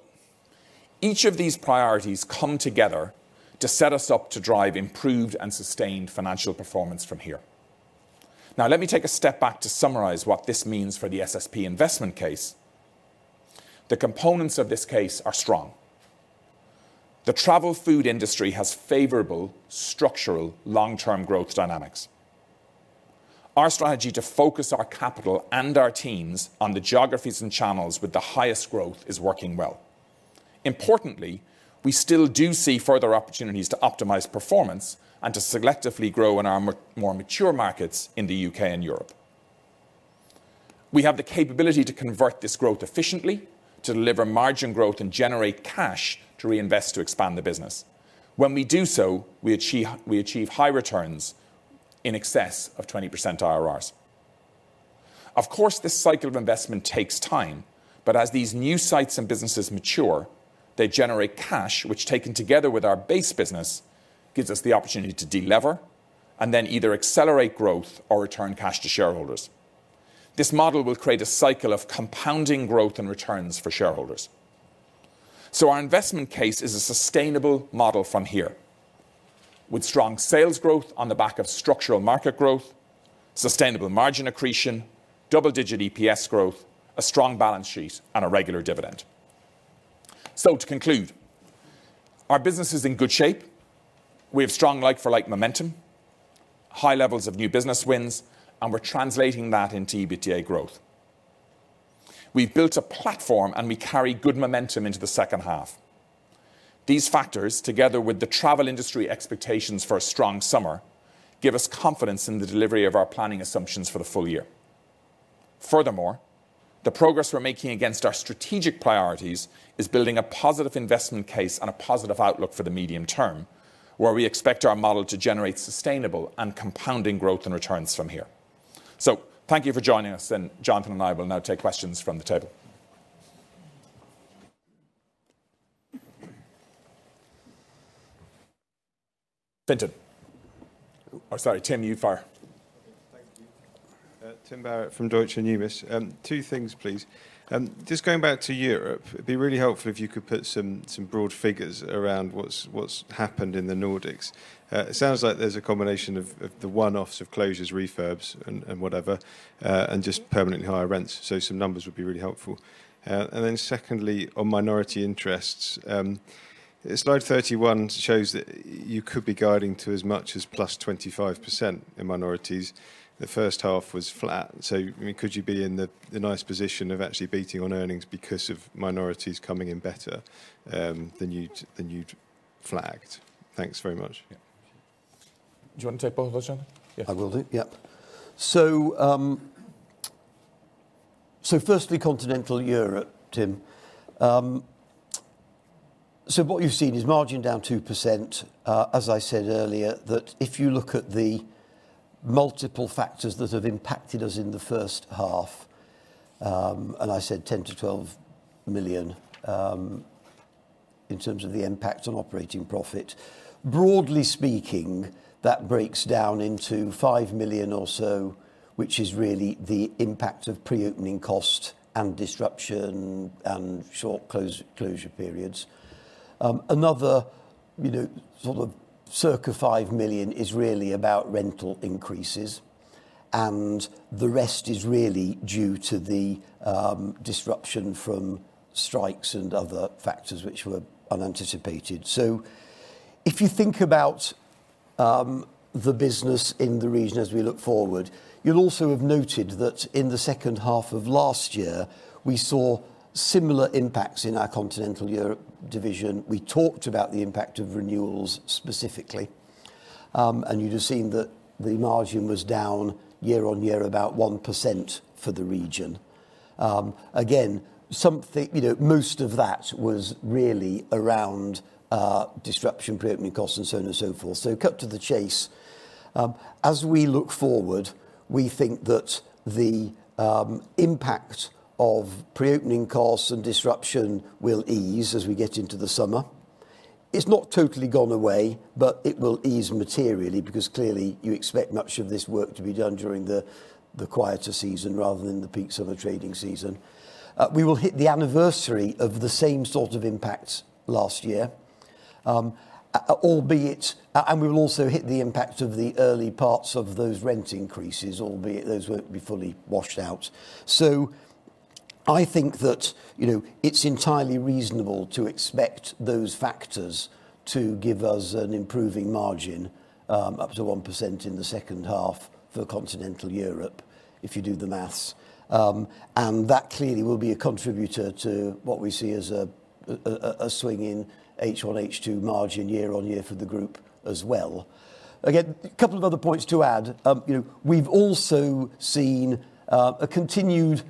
each of these priorities come together to set us up to drive improved and sustained financial performance from here. Now, let me take a step back to summarize what this means for the SSP investment case. The components of this case are strong. The travel food industry has favorable structural long-term growth dynamics. Our strategy to focus our capital and our teams on the geographies and channels with the highest growth is working well. Importantly, we still do see further opportunities to optimize performance and to selectively grow in our more mature markets in the U.K. and Europe. We have the capability to convert this growth efficiently, to deliver margin growth and generate cash to reinvest to expand the business. When we do so, we achieve, we achieve high returns in excess of 20% IRRs. Of course, this cycle of investment takes time, but as these new sites and businesses mature, they generate cash, which, taken together with our base business, gives us the opportunity to delever and then either accelerate growth or return cash to shareholders. This model will create a cycle of compounding growth and returns for shareholders. Our investment case is a sustainable model from here, with strong sales growth on the back of structural market growth, sustainable margin accretion, double-digit EPS growth, a strong balance sheet, and a regular dividend. To conclude, our business is in good shape. We have strong like-for-like momentum, high levels of new business wins, and we're translating that into EBITDA growth. We've built a platform, and we carry good momentum into the second half. These factors, together with the travel industry expectations for a strong summer, give us confidence in the delivery of our planning assumptions for the full year. Furthermore, the progress we're making against our strategic priorities is building a positive investment case and a positive outlook for the medium term, where we expect our model to generate sustainable and compounding growth and returns from here. So thank you for joining us, and Jonathan and I will now take questions from the table. Fintan. Oh, sorry, Tim, you first. Thank you. Tim Barrett from Deutsche Numis. Two things, please. Just going back to Europe, it'd be really helpful if you could put some broad figures around what's happened in the Nordics. It sounds like there's a combination of the one-offs, of closures, refurbs and whatever, and just permanently higher rents. So some numbers would be really helpful. And then secondly, on minority interests, slide 31 shows that you could be guiding to as much as +25% in minorities. The first half was flat, so, I mean, could you be in the nice position of actually beating on earnings because of minorities coming in better than you'd flagged? Thanks very much. Do you want to take both of those, John? I will do, yep. So, so firstly, Continental Europe, Tim. So what you've seen is margin down 2%. As I said earlier, that if you look at the multiple factors that have impacted us in the first half, and I said 10 million-12 million, in terms of the impact on operating profit. Broadly speaking, that breaks down into 5 million or so, which is really the impact of preopening cost and disruption and short closure periods. Another, you know, sort of circa 5 million is really about rental increases... and the rest is really due to the, disruption from strikes and other factors which were unanticipated. So if you think about the business in the region as we look forward, you'll also have noted that in the second half of last year, we saw similar impacts in our Continental Europe division. We talked about the impact of renewals specifically, and you'd have seen that the margin was down year-on-year, about 1% for the region. Again, something, you know, most of that was really around disruption, pre-opening costs, and so on and so forth. So cut to the chase, as we look forward, we think that the impact of pre-opening costs and disruption will ease as we get into the summer. It's not totally gone away, but it will ease materially, because clearly, you expect much of this work to be done during the quieter season rather than the peaks of a trading season. We will hit the anniversary of the same sort of impact last year. Albeit and we will also hit the impact of the early parts of those rent increases, albeit those won't be fully washed out. So I think that, you know, it's entirely reasonable to expect those factors to give us an improving margin up to 1% in the second half for continental Europe, if you do the math. And that clearly will be a contributor to what we see as a swing in H1, H2 margin year-on-year for the group as well. Again, a couple of other points to add. You know, we've also seen a continued,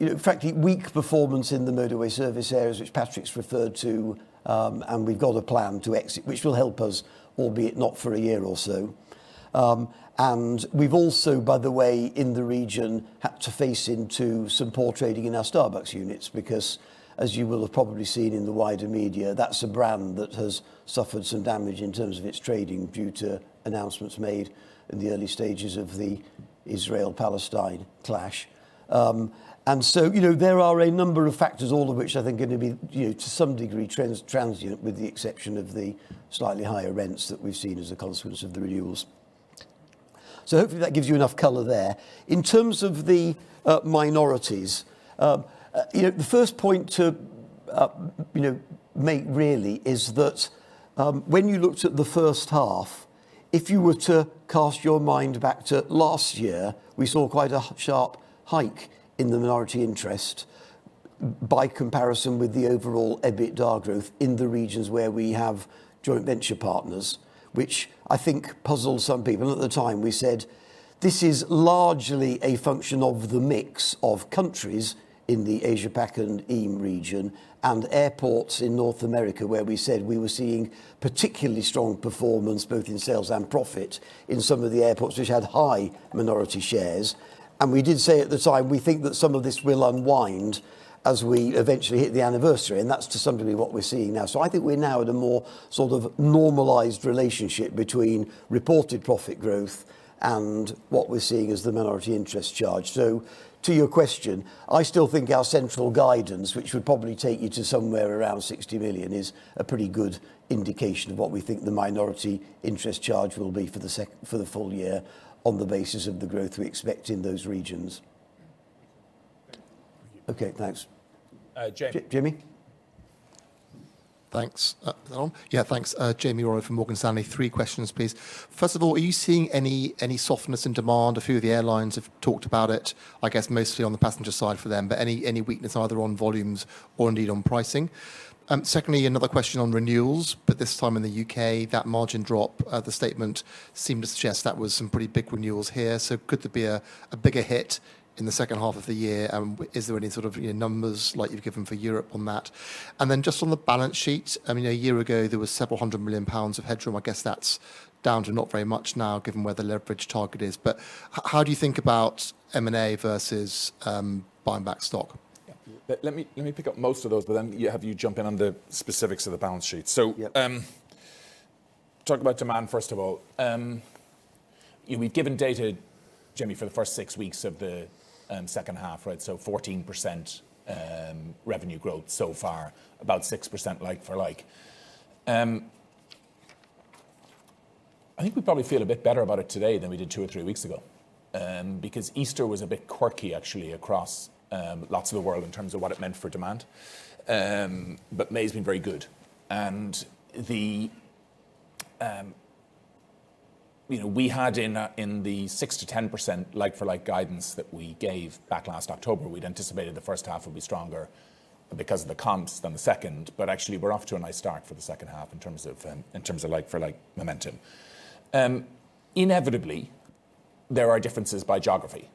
you know, frankly, weak performance in the motorway service areas, which Patrick's referred to, and we've got a plan to exit, which will help us, albeit not for a year or so. And we've also, by the way, in the region, had to face into some poor trading in our Starbucks units, because, as you will have probably seen in the wider media, that's a brand that has suffered some damage in terms of its trading due to announcements made in the early stages of the Israel-Palestine clash. And so, you know, there are a number of factors, all of which I think are going to be, you know, to some degree, transient, with the exception of the slightly higher rents that we've seen as a consequence of the renewals. So hopefully that gives you enough color there. In terms of the minorities, you know, the first point to you know make really is that, when you looked at the first half, if you were to cast your mind back to last year, we saw quite a sharp hike in the minority interest by comparison with the overall EBITDA growth in the regions where we have joint venture partners, which I think puzzled some people. At the time, we said, this is largely a function of the mix of countries in the Asia Pac and EAME region, and airports in North America, where we said we were seeing particularly strong performance, both in sales and profit, in some of the airports which had high minority shares. We did say at the time, we think that some of this will unwind as we eventually hit the anniversary, and that's to some degree what we're seeing now. So I think we're now at a more sort of normalized relationship between reported profit growth and what we're seeing as the minority interest charge. So to your question, I still think our central guidance, which would probably take you to somewhere around 60 million, is a pretty good indication of what we think the minority interest charge will be for the full year on the basis of the growth we expect in those regions. Okay, thanks. Uh, Jamie. Jamie? Thanks. Is that on? Yeah, thanks. Jamie Rollo from Morgan Stanley. Three questions, please. First of all, are you seeing any softness in demand? A few of the airlines have talked about it, I guess, mostly on the passenger side for them, but any weakness, either on volumes or indeed on pricing? Secondly, another question on renewals, but this time in the U.K., that margin drop, the statement seemed to suggest that was some pretty big renewals here. So could there be a bigger hit in the second half of the year? And is there any sort of, you know, numbers like you've given for Europe on that? And then just on the balance sheet, I mean, a year ago, there was several hundred million GBP of headroom. I guess that's down to not very much now, given where the leverage target is. But how do you think about M&A versus, buying back stock? Yeah. Let me, let me pick up most of those, but then, yeah, have you jump in on the specifics of the balance sheet. Yeah. So, talk about demand, first of all. We've given data, Jamie, for the first six weeks of the second half, right? So 14% revenue growth so far, about 6% like for like. I think we probably feel a bit better about it today than we did two or three weeks ago, because Easter was a bit quirky, actually, across lots of the world in terms of what it meant for demand. But May's been very good. And the, you know, we had in the 6%-10% like-for-like guidance that we gave back last October, we'd anticipated the first half would be stronger because of the comps than the second, but actually, we're off to a nice start for the second half in terms of like-for-like momentum. Inevitably, there are differences by geography.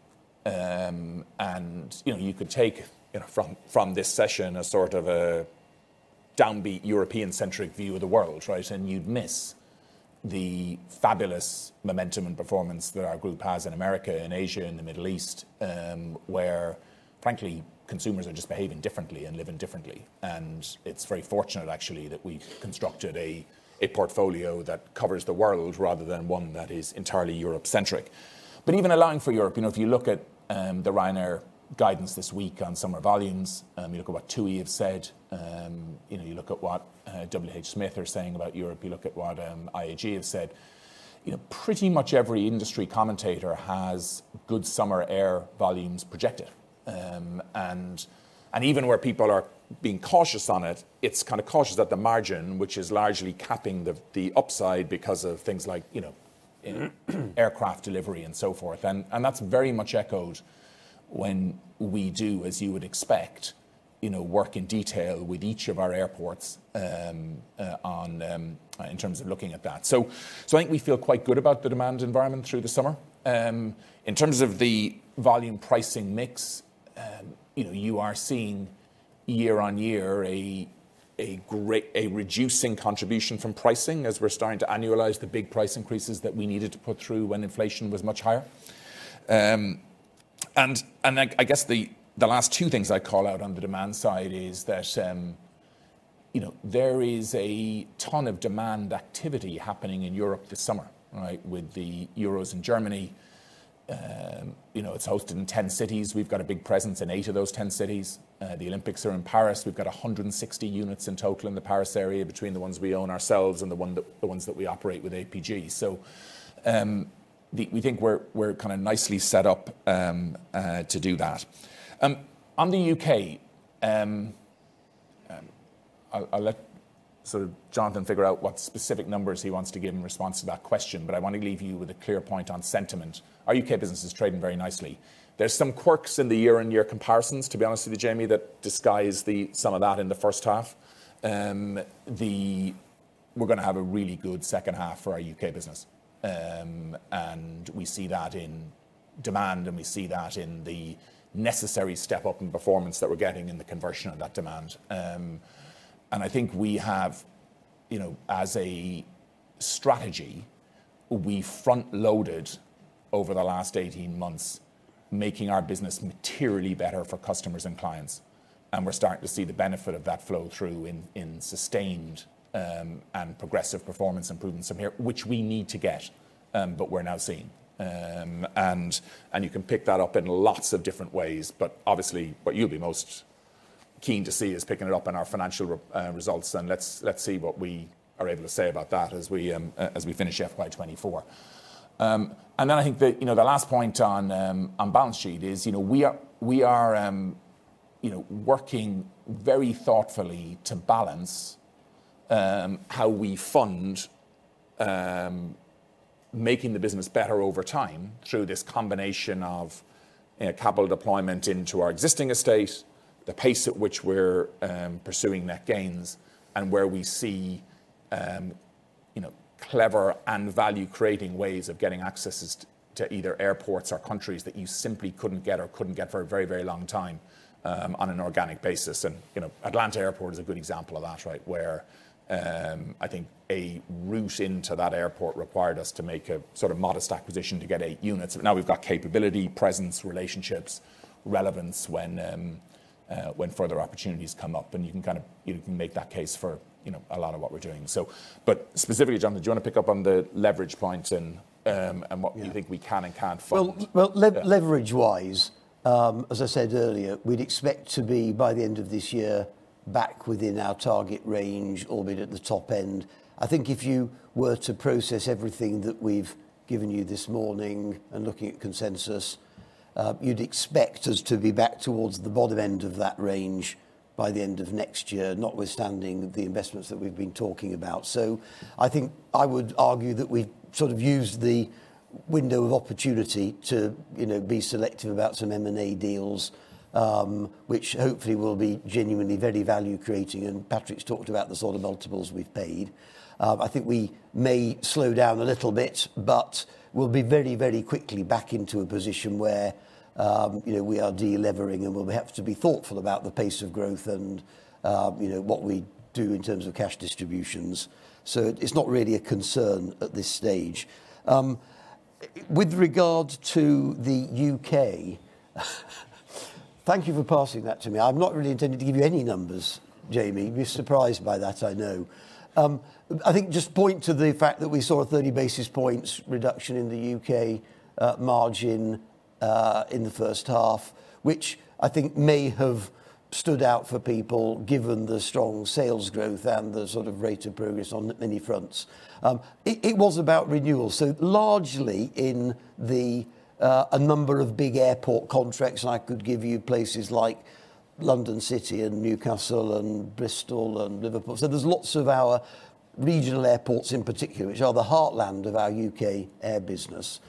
And, you know, you could take, you know, from this session a sort of a downbeat European-centric view of the world, right? And you'd miss the fabulous momentum and performance that our group has in America and Asia, and the Middle East, where, frankly, consumers are just behaving differently and living differently. And it's very fortunate, actually, that we've constructed a portfolio that covers the world rather than one that is entirely Europe-centric. But even allowing for Europe, you know, if you look at the Ryanair guidance this week on summer volumes, you look at what TUI have said, you know, you look at what, WHSmith are saying about Europe, you look at what, IAG have said.... you know, pretty much every industry commentator has good summer air volumes projected. Even where people are being cautious on it, it's kind of cautious at the margin, which is largely capping the upside because of things like, you know, aircraft delivery and so forth. And that's very much echoed when we do, as you would expect, you know, work in detail with each of our airports on in terms of looking at that. So I think we feel quite good about the demand environment through the summer. In terms of the volume pricing mix, you know, you are seeing year-over-year a reducing contribution from pricing as we're starting to annualize the big price increases that we needed to put through when inflation was much higher. I guess the last two things I'd call out on the demand side is that, you know, there is a ton of demand activity happening in Europe this summer, right? With the Euros in Germany, you know, it's hosted in 10 cities. We've got a big presence in eight of those 10 cities. The Olympics are in Paris. We've got 160 units in total in the Paris area between the ones we own ourselves and the one that—the ones that we operate with APG. So, we think we're, we're kind of nicely set up, to do that. On the U.K., I'll let sort of Jonathan figure out what specific numbers he wants to give in response to that question, but I want to leave you with a clear point on sentiment. Our U.K. business is trading very nicely. There's some quirks in the year-on-year comparisons, to be honest with you, Jamie, that disguise the some of that in the first half. We're going to have a really good second half for our U.K. business. And we see that in demand, and we see that in the necessary step up in performance that we're getting in the conversion of that demand. And I think we have, you know, as a strategy, we front loaded over the last 18 months, making our business materially better for customers and clients, and we're starting to see the benefit of that flow through in, in sustained, and progressive performance improvements from here, which we need to get, but we're now seeing. And, and you can pick that up in lots of different ways, but obviously, what you'll be most keen to see is picking it up in our financial results, and let's, let's see what we are able to say about that as we, as we finish FY 2024. And then I think the, you know, the last point on, on balance sheet is, you know, we are, we are, you know, working very thoughtfully to balance, how we fund, making the business better over time through this combination of, you know, capital deployment into our existing estate, the pace at which we're, pursuing net gains, and where we see, you know, clever and value-creating ways of getting accesses to, to either airports or countries that you simply couldn't get or couldn't get for a very, very long time, on an organic basis. And, you know, Atlanta Airport is a good example of that, right, where, I think a route into that airport required us to make a sort of modest acquisition to get eight units. But now we've got capability, presence, relationships, relevance when further opportunities come up, and you can kind of, you know, can make that case for, you know, a lot of what we're doing. So, but specifically, Jonathan, do you want to pick up on the leverage point and what- Yeah You think we can and can't fund? Well, well, leverage-wise, as I said earlier, we'd expect to be, by the end of this year, back within our target range, albeit at the top end. I think if you were to process everything that we've given you this morning and looking at consensus, you'd expect us to be back towards the bottom end of that range by the end of next year, notwithstanding the investments that we've been talking about. So I think I would argue that we sort of used the window of opportunity to, you know, be selective about some M&A deals, which hopefully will be genuinely very value creating, and Patrick's talked about the sort of multiples we've paid. I think we may slow down a little bit, but we'll be very, very quickly back into a position where, you know, we are de-levering, and we'll have to be thoughtful about the pace of growth and, you know, what we do in terms of cash distributions. So it's not really a concern at this stage. With regard to the U.K., thank you for passing that to me. I'm not really intending to give you any numbers, Jamie. You'll be surprised by that, I know. I think just point to the fact that we saw a 30 basis points reduction in the U.K. margin in the first half, which I think may have stood out for people, given the strong sales growth and the sort of rate of progress on many fronts. It was about renewal, so largely in a number of big airport contracts, and I could give you places like London City and Newcastle and Bristol and Liverpool. So there's lots of our regional airports in particular, which are the heartland of our U.K. air business,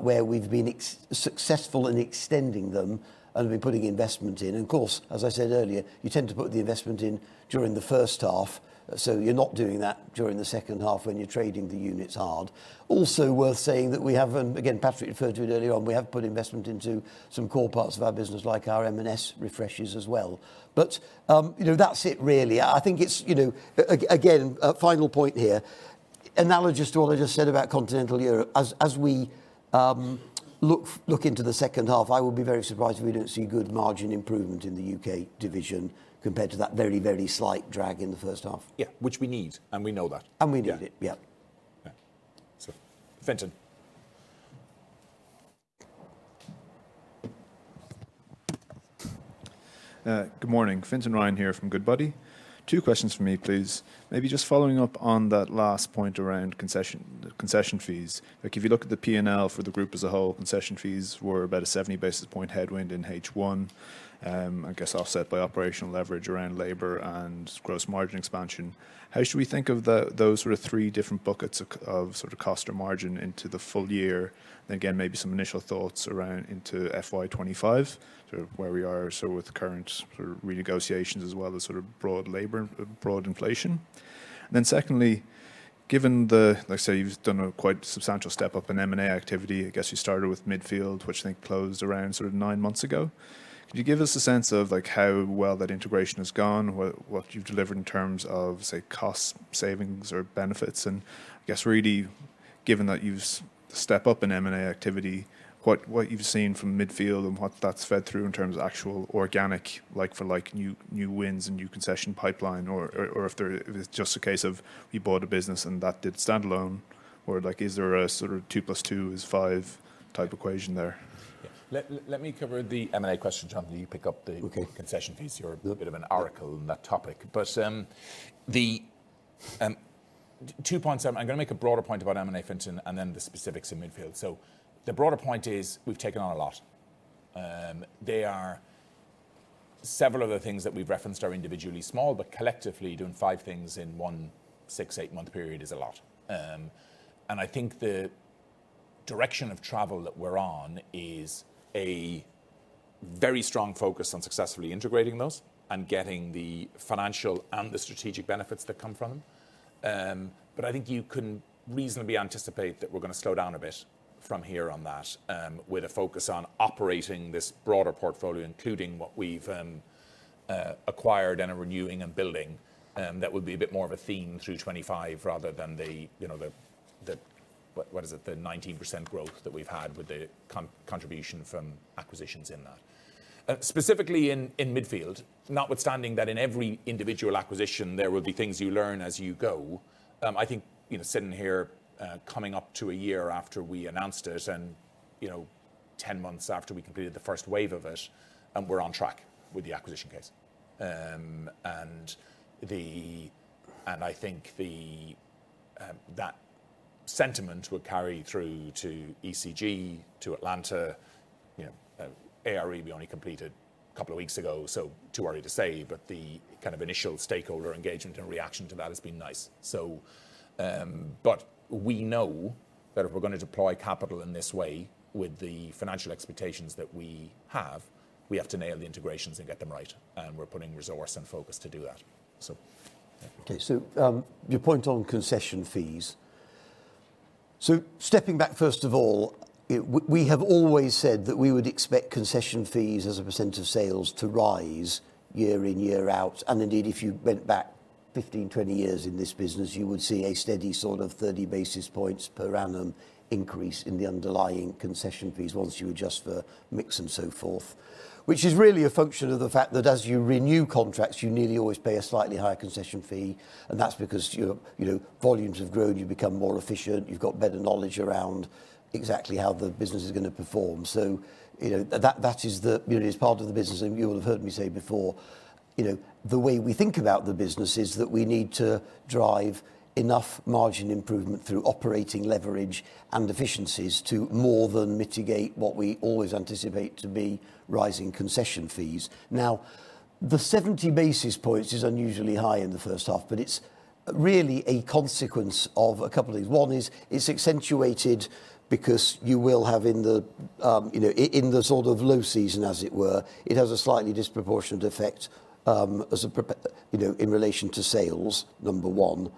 where we've been successful in extending them and we're putting investment in. Of course, as I said earlier, you tend to put the investment in during the first half, so you're not doing that during the second half when you're trading the units hard. Also worth saying that we have, and again, Patrick referred to it earlier on, we have put investment into some core parts of our business, like our M&S refreshes as well. But you know, that's it really. I think it's, you know, again, a final point here, analogous to what I just said about Continental Europe, as we look into the second half, I will be very surprised if we don't see good margin improvement in the U.K. division compared to that very, very slight drag in the first half. Yeah, which we need, and we know that. We need it. Yeah. Yeah. Yeah. So, Fintan?... Good morning. Fintan Ryan here from Goodbody. Two questions for me, please. Maybe just following up on that last point around concession, concession fees. Like, if you look at the P&L for the group as a whole, concession fees were about a 70 basis point headwind in H1, I guess offset by operational leverage around labor and gross margin expansion. How should we think of the, those sort of three different buckets of of sort of cost or margin into the full year? And again, maybe some initial thoughts around into FY 2025, sort of where we are, sort of with the current sort of renegotiations, as well as sort of broad labor, broad inflation. And then secondly, given the, like you say, you've done a quite substantial step up in M&A activity. I guess you started with Midfield, which I think closed around sort of nine months ago. Could you give us a sense of, like, how well that integration has gone, what you've delivered in terms of, say, cost savings or benefits? And I guess really, given that you've step up in M&A activity, what you've seen from Midfield and what that's fed through in terms of actual organic, like for like, new wins and new concession pipeline, or if it's just a case of you bought a business and that did standalone, or like, is there a sort of 2+2 is five type equation there? Yeah. Let me cover the M&A question, John. You pick up the- Okay... concession fees. You're a bit of an oracle on that topic. But, two points, I'm gonna make a broader point about M&A, Fintan, and then the specifics in Midfield. So the broader point is, we've taken on a lot. They are... Several of the things that we've referenced are individually small, but collectively, doing five things in one six to 8 month period is a lot. And I think the direction of travel that we're on is a very strong focus on successfully integrating those and getting the financial and the strategic benefits that come from them. But I think you can reasonably anticipate that we're gonna slow down a bit from here on that, with a focus on operating this broader portfolio, including what we've acquired and are renewing and building, that would be a bit more of a theme through 2025 rather than the, you know, the 19% growth that we've had with the contribution from acquisitions in that. Specifically in Midfield, notwithstanding that in every individual acquisition, there will be things you learn as you go. I think, you know, sitting here, coming up to a year after we announced it and, you know, 10 months after we completed the first wave of it, and we're on track with the acquisition case. And I think that sentiment will carry through to ECG, to Atlanta. You know, ARE, we only completed a couple of weeks ago, so too early to say, but the kind of initial stakeholder engagement and reaction to that has been nice. So, but we know that if we're gonna deploy capital in this way with the financial expectations that we have, we have to nail the integrations and get them right, and we're putting resource and focus to do that. So... Okay, so, your point on concession fees. So stepping back, first of all, we have always said that we would expect concession fees as a percentage of sales to rise year in, year out. And indeed, if you went back 15, 20 years in this business, you would see a steady sort of 30 basis points per annum increase in the underlying concession fees once you adjust for mix and so forth, which is really a function of the fact that as you renew contracts, you nearly always pay a slightly higher concession fee, and that's because your, you know, volumes have grown, you become more efficient, you've got better knowledge around exactly how the business is gonna perform. So, you know, that, that is the, you know, it's part of the business, and you will have heard me say before, you know, the way we think about the business is that we need to drive enough margin improvement through operating leverage and efficiencies to more than mitigate what we always anticipate to be rising concession fees. Now, the 70 basis points is unusually high in the first half, but it's really a consequence of a couple of things. One is, it's accentuated because you will have in the, you know, in the sort of low season, as it were, it has a slightly disproportionate effect, you know, in relation to sales, number one.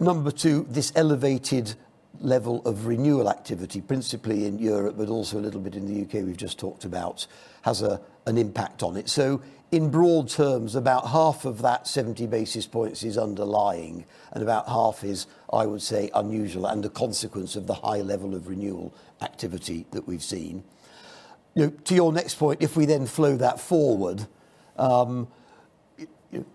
Number two, this elevated level of renewal activity, principally in Europe, but also a little bit in the U.K., we've just talked about, has an impact on it. So in broad terms, about half of that 70 basis points is underlying, and about half is, I would say, unusual and a consequence of the high level of renewal activity that we've seen. You know, to your next point, if we then flow that forward,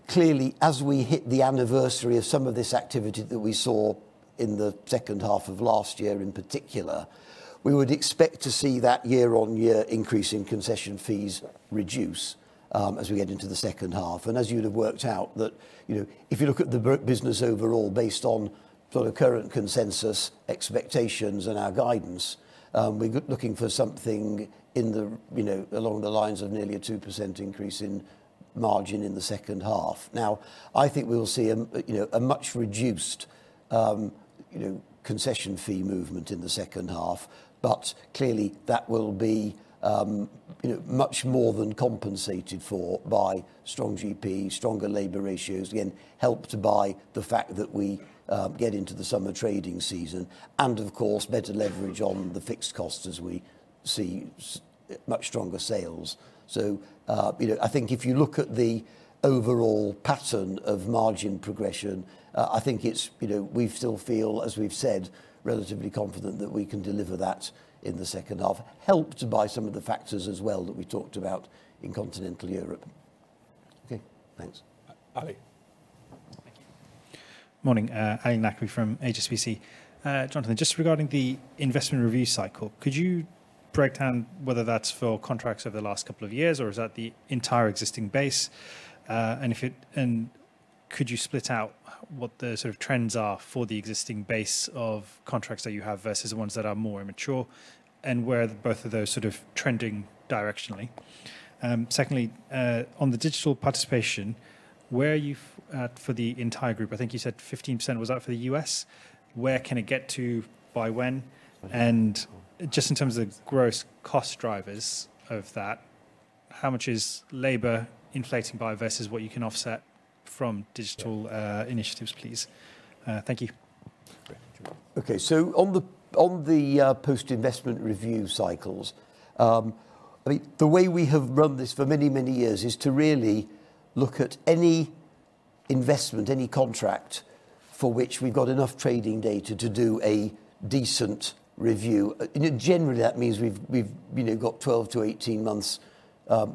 clearly, as we hit the anniversary of some of this activity that we saw in the second half of last year in particular, we would expect to see that year-on-year increase in concession fees reduce, as we get into the second half. As you'd have worked out that, you know, if you look at the business overall, based on sort of current consensus expectations and our guidance, we're looking for something in the, you know, along the lines of nearly a 2% increase in margin in the second half. Now, I think we will see a you know, a much reduced, you know, concession fee movement in the second half, but clearly, that will be, you know, much more than compensated for by strong GP, stronger labor ratios. Again, helped by the fact that we get into the summer trading season, and of course, better leverage on the fixed costs as we see much stronger sales. So, you know, I think if you look at the overall pattern of margin progression, I think it's, you know, we still feel, as we've said, relatively confident that we can deliver that in the second half, helped by some of the factors as well that we talked about in Continental Europe. Okay, thanks. A- Ali?... Morning, Ali Naqvi from HSBC. Jonathan, just regarding the investment review cycle, could you break down whether that's for contracts over the last couple of years, or is that the entire existing base? Could you split out what the sort of trends are for the existing base of contracts that you have versus the ones that are more immature, and where both of those sort of trending directionally? Secondly, on the digital participation, where are you at for the entire group? I think you said 15%. Was that for the U.S.? Where can it get to, by when? And just in terms of gross cost drivers of that, how much is labor inflating by versus what you can offset from digital initiatives, please? Thank you. Okay, so on the post-investment review cycles, I mean, the way we have run this for many, many years is to really look at any investment, any contract for which we've got enough trading data to do a decent review. And generally, that means we've you know, got 12-18 months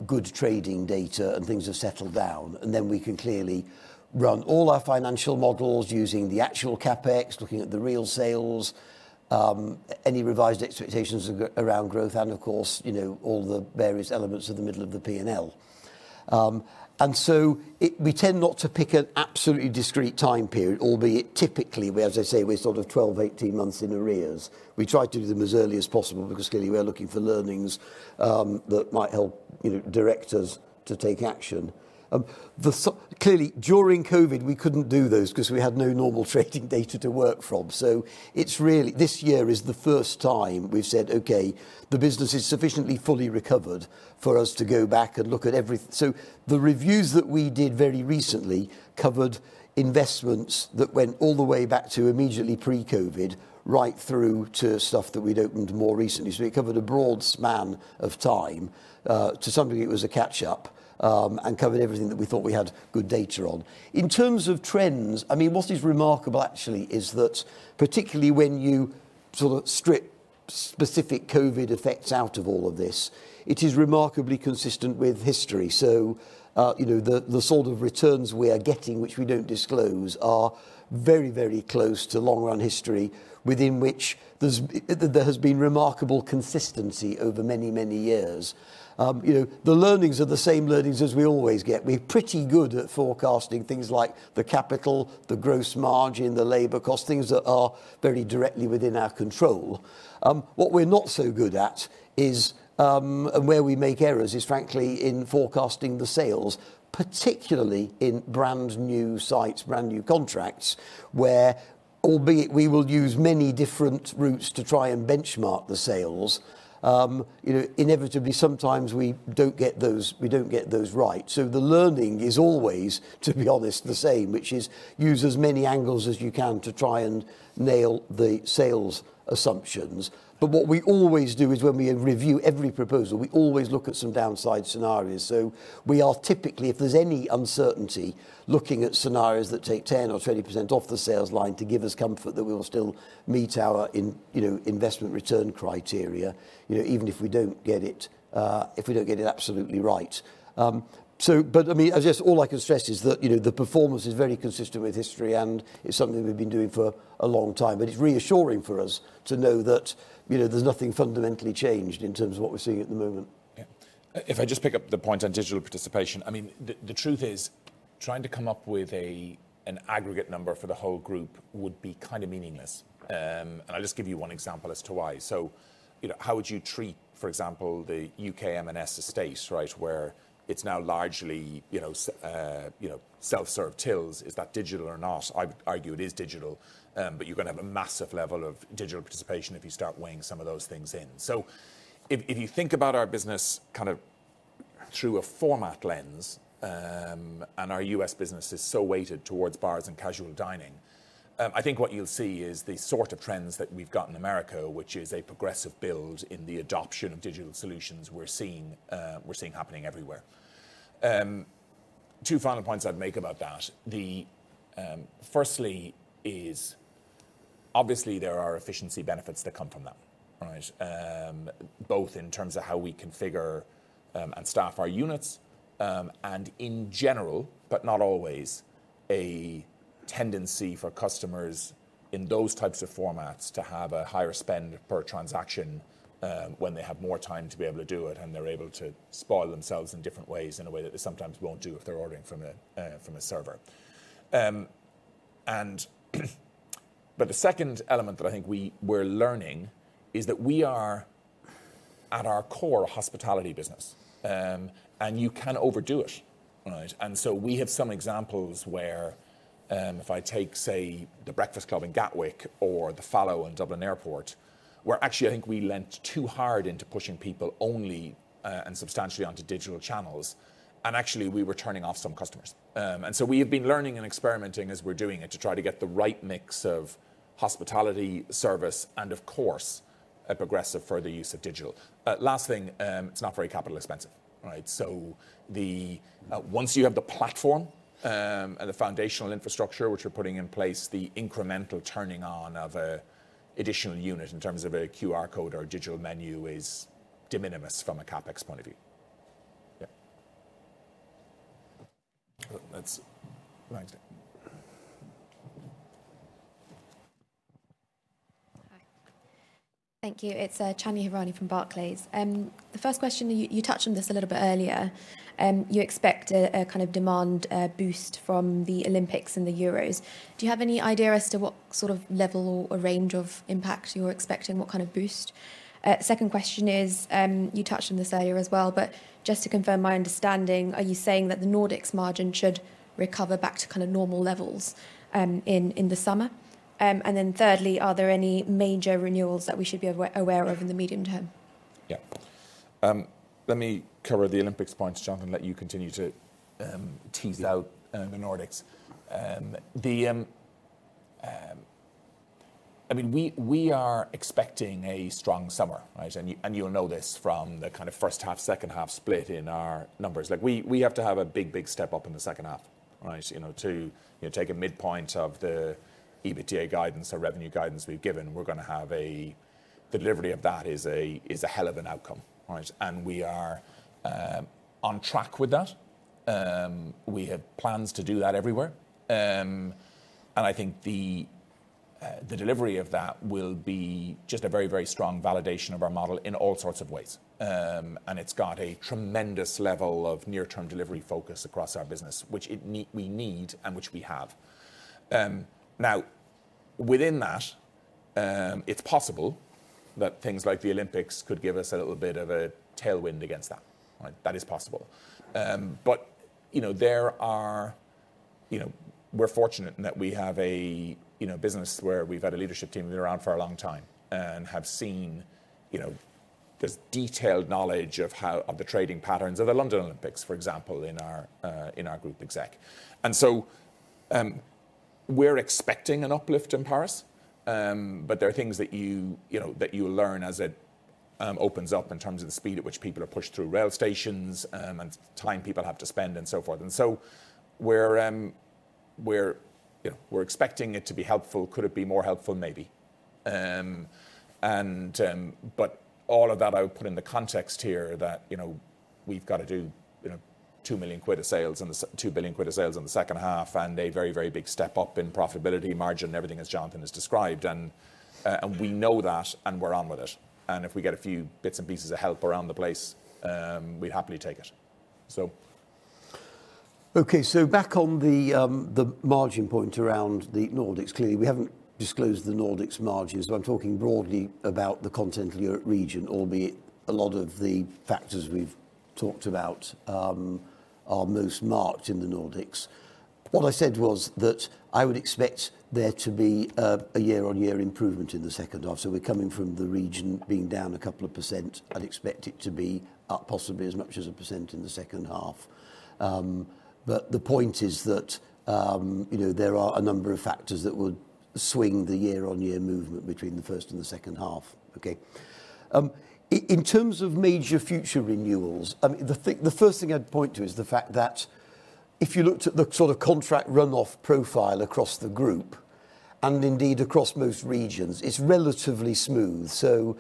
good trading data and things have settled down. And then we can clearly run all our financial models using the actual CapEx, looking at the real sales, any revised expectations around growth, and of course, you know, all the various elements of the middle of the P&L. And so it we tend not to pick an absolutely discrete time period, albeit typically, we, as I say, we're sort of 12-18 months in arrears. We try to do them as early as possible because clearly, we are looking for learnings that might help, you know, directors to take action. Clearly, during COVID, we couldn't do those 'cause we had no normal trading data to work from. So it's really, this year is the first time we've said, "Okay, the business is sufficiently fully recovered for us to go back and look at every..." So the reviews that we did very recently covered investments that went all the way back to immediately pre-COVID, right through to stuff that we'd opened more recently. So it covered a broad span of time. To some degree, it was a catch-up and covered everything that we thought we had good data on. In terms of trends, I mean, what is remarkable, actually, is that particularly when you sort of strip specific COVID effects out of all of this, it is remarkably consistent with history. So, you know, the, the sort of returns we are getting, which we don't disclose, are very, very close to long-run history, within which there's, there has been remarkable consistency over many, many years. You know, the learnings are the same learnings as we always get. We're pretty good at forecasting things like the capital, the gross margin, the labor cost, things that are very directly within our control. What we're not so good at is, and where we make errors is frankly, in forecasting the sales, particularly in brand-new sites, brand-new contracts, where, albeit we will use many different routes to try and benchmark the sales, you know, inevitably, sometimes we don't get those, we don't get those right. So the learning is always, to be honest, the same, which is use as many angles as you can to try and nail the sales assumptions. But what we always do is when we review every proposal, we always look at some downside scenarios. So we are typically, if there's any uncertainty, looking at scenarios that take 10% or 20% off the sales line to give us comfort that we will still meet our in, you know, investment return criteria, you know, even if we don't get it, if we don't get it absolutely right. So, but I mean, I guess all I can stress is that, you know, the performance is very consistent with history, and it's something we've been doing for a long time. But it's reassuring for us to know that, you know, there's nothing fundamentally changed in terms of what we're seeing at the moment. Yeah. If I just pick up the point on digital participation, I mean, the truth is, trying to come up with a, an aggregate number for the whole group would be kind of meaningless. And I'll just give you one example as to why. So, you know, how would you treat, for example, the U.K. M&S estate, right? Where it's now largely, you know, self-serve tills. Is that digital or not? I'd argue it is digital, but you're going to have a massive level of digital participation if you start weighing some of those things in. So if you think about our business kind of through a format lens, and our U.S. business is so weighted towards bars and casual dining, I think what you'll see is the sort of trends that we've got in America, which is a progressive build in the adoption of digital solutions we're seeing happening everywhere. Two final points I'd make about that. Firstly, obviously, there are efficiency benefits that come from that, right? Both in terms of how we configure, and staff our units, and in general, but not always, a tendency for customers in those types of formats to have a higher spend per transaction, when they have more time to be able to do it, and they're able to spoil themselves in different ways, in a way that they sometimes won't do if they're ordering from a, from a server. But the second element that I think we're learning is that we are, at our core, a hospitality business, and you can overdo it, right? We have some examples where, if I take, say, The Breakfast Club in Gatwick or The Fallow in Dublin Airport, where actually, I think we leaned too hard into pushing people only, and substantially onto digital channels, and actually, we were turning off some customers. We have been learning and experimenting as we're doing it, to try to get the right mix of hospitality, service, and of course, a progressive further use of digital. Last thing, it's not very capital expensive, right? So the, once you have the platform, and the foundational infrastructure, which we're putting in place, the incremental turning on of a additional unit in terms of a QR code or a digital menu is de minimis from a CapEx point of view. Yeah. That's right. Hi. Thank you. It's Chandni Hirani from Barclays. The first question, you touched on this a little bit earlier. You expect a kind of demand boost from the Olympics and the Euros. Do you have any idea as to what sort of level or range of impact you're expecting? What kind of boost? Second question is, you touched on this earlier as well, but just to confirm my understanding, are you saying that the Nordics margin should recover back to kind of normal levels in the summer? And then thirdly, are there any major renewals that we should be aware of in the medium term? Yeah. Let me cover the Olympics point, Jonathan, and let you continue to tease out the Nordics. I mean, we are expecting a strong summer, right? And you, you'll know this from the kind of first half, second half split in our numbers. Like, we have to have a big, big step up in the second half, right? You know, to, you take a midpoint of the EBITDA guidance or revenue guidance we've given, we're gonna have a- the delivery of that is a, is a hell of an outcome, right? And we are on track with that. We have plans to do that everywhere. And I think the delivery of that will be just a very, very strong validation of our model in all sorts of ways. And it's got a tremendous level of near-term delivery focus across our business, which we need, and which we have. Now, within that, it's possible that things like the Olympics could give us a little bit of a tailwind against that. Right, that is possible. But, you know, there are, you know... We're fortunate in that we have a, you know, business where we've had a leadership team that are around for a long time and have seen, you know, there's detailed knowledge of the trading patterns of the London Olympics, for example, in our group exec. And so, we're expecting an uplift in Paris. But there are things that you, you know, that you learn as it opens up in terms of the speed at which people are pushed through rail stations, and time people have to spend, and so forth. And so we're, we're, you know, we're expecting it to be helpful. Could it be more helpful? Maybe. And but all of that, I would put in the context here that, you know, we've got to do, you know, 2 billion quid of sales in the second half, and a very, very big step up in profitability margin, everything as Jonathan has described, and we know that, and we're on with it. And if we get a few bits and pieces of help around the place, we'd happily take it. So... Okay, so back on the, the margin point around the Nordics. Clearly, we haven't disclosed the Nordics margins, but I'm talking broadly about the Continental Europe region, albeit a lot of the factors we've talked about are most marked in the Nordics. What I said was that I would expect there to be a year-on-year improvement in the second half. So we're coming from the region being down a couple of percent. I'd expect it to be up possibly as much as a percent in the second half. But the point is that, you know, there are a number of factors that would swing the year-on-year movement between the first and the second half. Okay. In terms of major future renewals, I mean, the thing, the first thing I'd point to is the fact that if you looked at the sort of contract run-off profile across the group, and indeed across most regions, it's relatively smooth. So,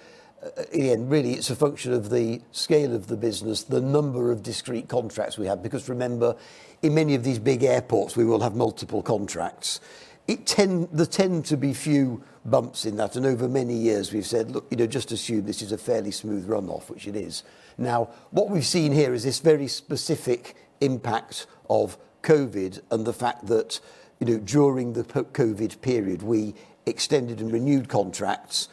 again, really, it's a function of the scale of the business, the number of discrete contracts we have, because remember, in many of these big airports, we will have multiple contracts. There tend to be few bumps in that, and over many years, we've said, "Look, you know, just assume this is a fairly smooth run-off," which it is. Now, what we've seen here is this very specific impact of COVID and the fact that, you know, during the post-COVID period, we extended and renewed contracts,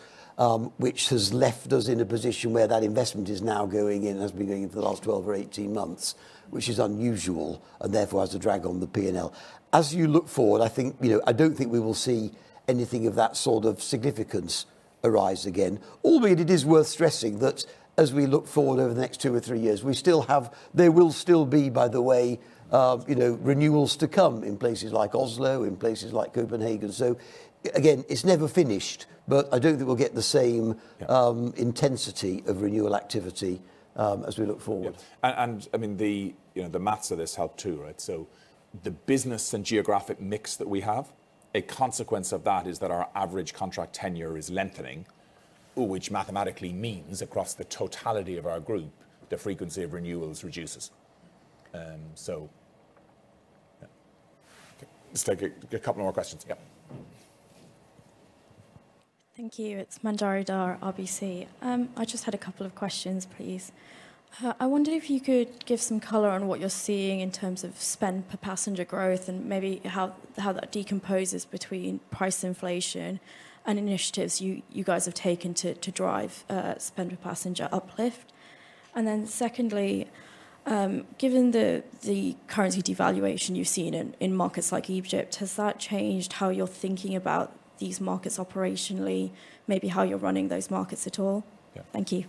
which has left us in a position where that investment is now going in, and has been going in for the last 12 or 18 months, which is unusual, and therefore, has a drag on the P&L. As you look forward, I think, you know, I don't think we will see anything of that sort of significance arise again. Albeit it is worth stressing that as we look forward over the next two or three years, we still have—there will still be, by the way, you know, renewals to come in places like Oslo, in places like Copenhagen. So again, it's never finished, but I don't think we'll get the same- Yeah... intensity of renewal activity, as we look forward. Yeah. And, I mean, you know, the math of this help too, right? So the business and geographic mix that we have, a consequence of that is that our average contract tenure is lengthening, which mathematically means across the totality of our group, the frequency of renewals reduces. So, yeah. Okay. Let's take a couple more questions. Yeah. Thank you. It's Manjari Dhar, RBC. I just had a couple of questions, please. I wonder if you could give some color on what you're seeing in terms of spend per passenger growth, and maybe how, how that decomposes between price inflation and initiatives you, you guys have taken to, to drive, spend per passenger uplift. And then secondly, given the, the currency devaluation you've seen in, in markets like Egypt, has that changed how you're thinking about these markets operationally, maybe how you're running those markets at all? Yeah. Thank you.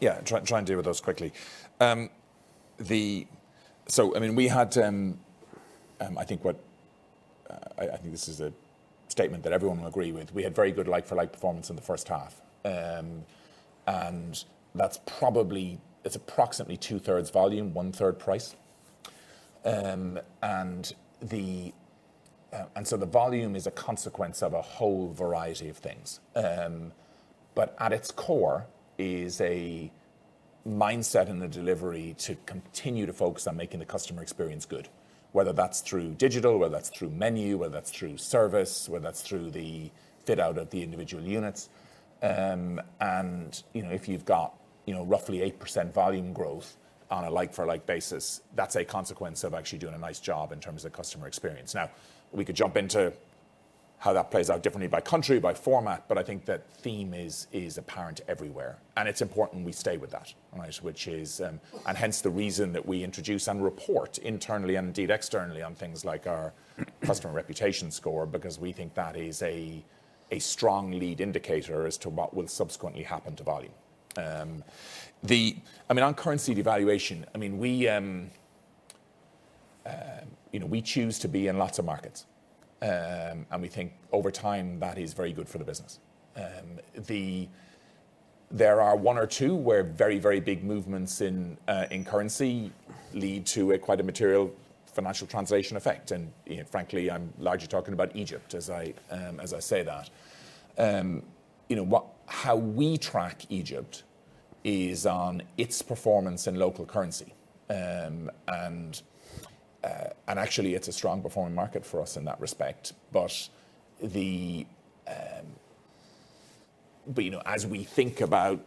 Yeah, try, try and deal with those quickly. So I mean, we had, I think this is a statement that everyone will agree with: We had very good like-for-like performance in the first half. And that's probably, it's approximately 2/3 volume, 1/3 price. And so the volume is a consequence of a whole variety of things. But at its core is a mindset and a delivery to continue to focus on making the customer experience good, whether that's through digital, whether that's through menu, whether that's through service, whether that's through the fit-out of the individual units. And, you know, if you've got, you know, roughly 8% volume growth on a like-for-like basis, that's a consequence of actually doing a nice job in terms of customer experience. Now, we could jump into how that plays out differently by country, by format, but I think that theme is apparent everywhere. And it's important we stay with that, right? Which is, and hence, the reason that we introduce and report internally, and indeed externally, on things like our customer reputation score, because we think that is a strong lead indicator as to what will subsequently happen to volume. I mean, on currency devaluation, I mean, we, you know, we choose to be in lots of markets, and we think over time, that is very good for the business. There are one or two, where very, very big movements in currency lead to quite a material financial translation effect, and, you know, frankly, I'm largely talking about Egypt, as I say that. You know, how we track Egypt is on its performance in local currency. And actually, it's a strong performing market for us in that respect. But... But, you know, as we think about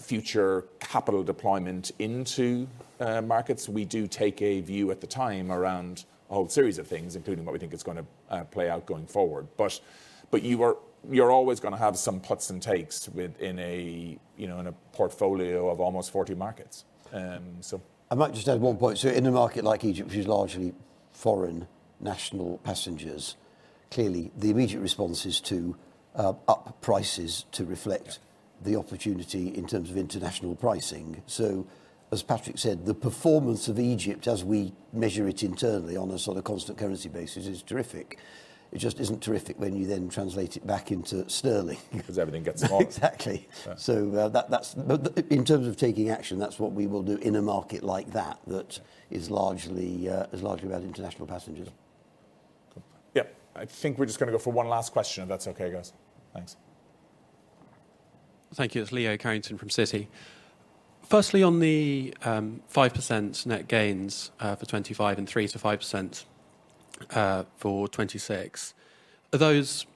future capital deployment into markets, we do take a view at the time around a whole series of things, including what we think is gonna play out going forward. But, but you're always gonna have some puts and takes within a, you know, in a portfolio of almost 40 markets. So- I might just add one point. So in a market like Egypt, which is largely foreign national passengers, clearly, the immediate response is to up prices to reflect the opportunity in terms of international pricing. So, as Patrick said, the performance of Egypt, as we measure it internally on a sort of constant currency basis, is terrific. It just isn't terrific when you then translate it back into sterling. Because everything gets more- Exactly. Yeah. But in terms of taking action, that's what we will do in a market like that that is largely about international passengers. Yeah. Yeah, I think we're just gonna go for one last question, if that's okay, guys. Thanks. Thank you. It's Leo Carrington from Citi. Firstly, on the 5% net gains for 2025 and 3%-5% for 2026, are those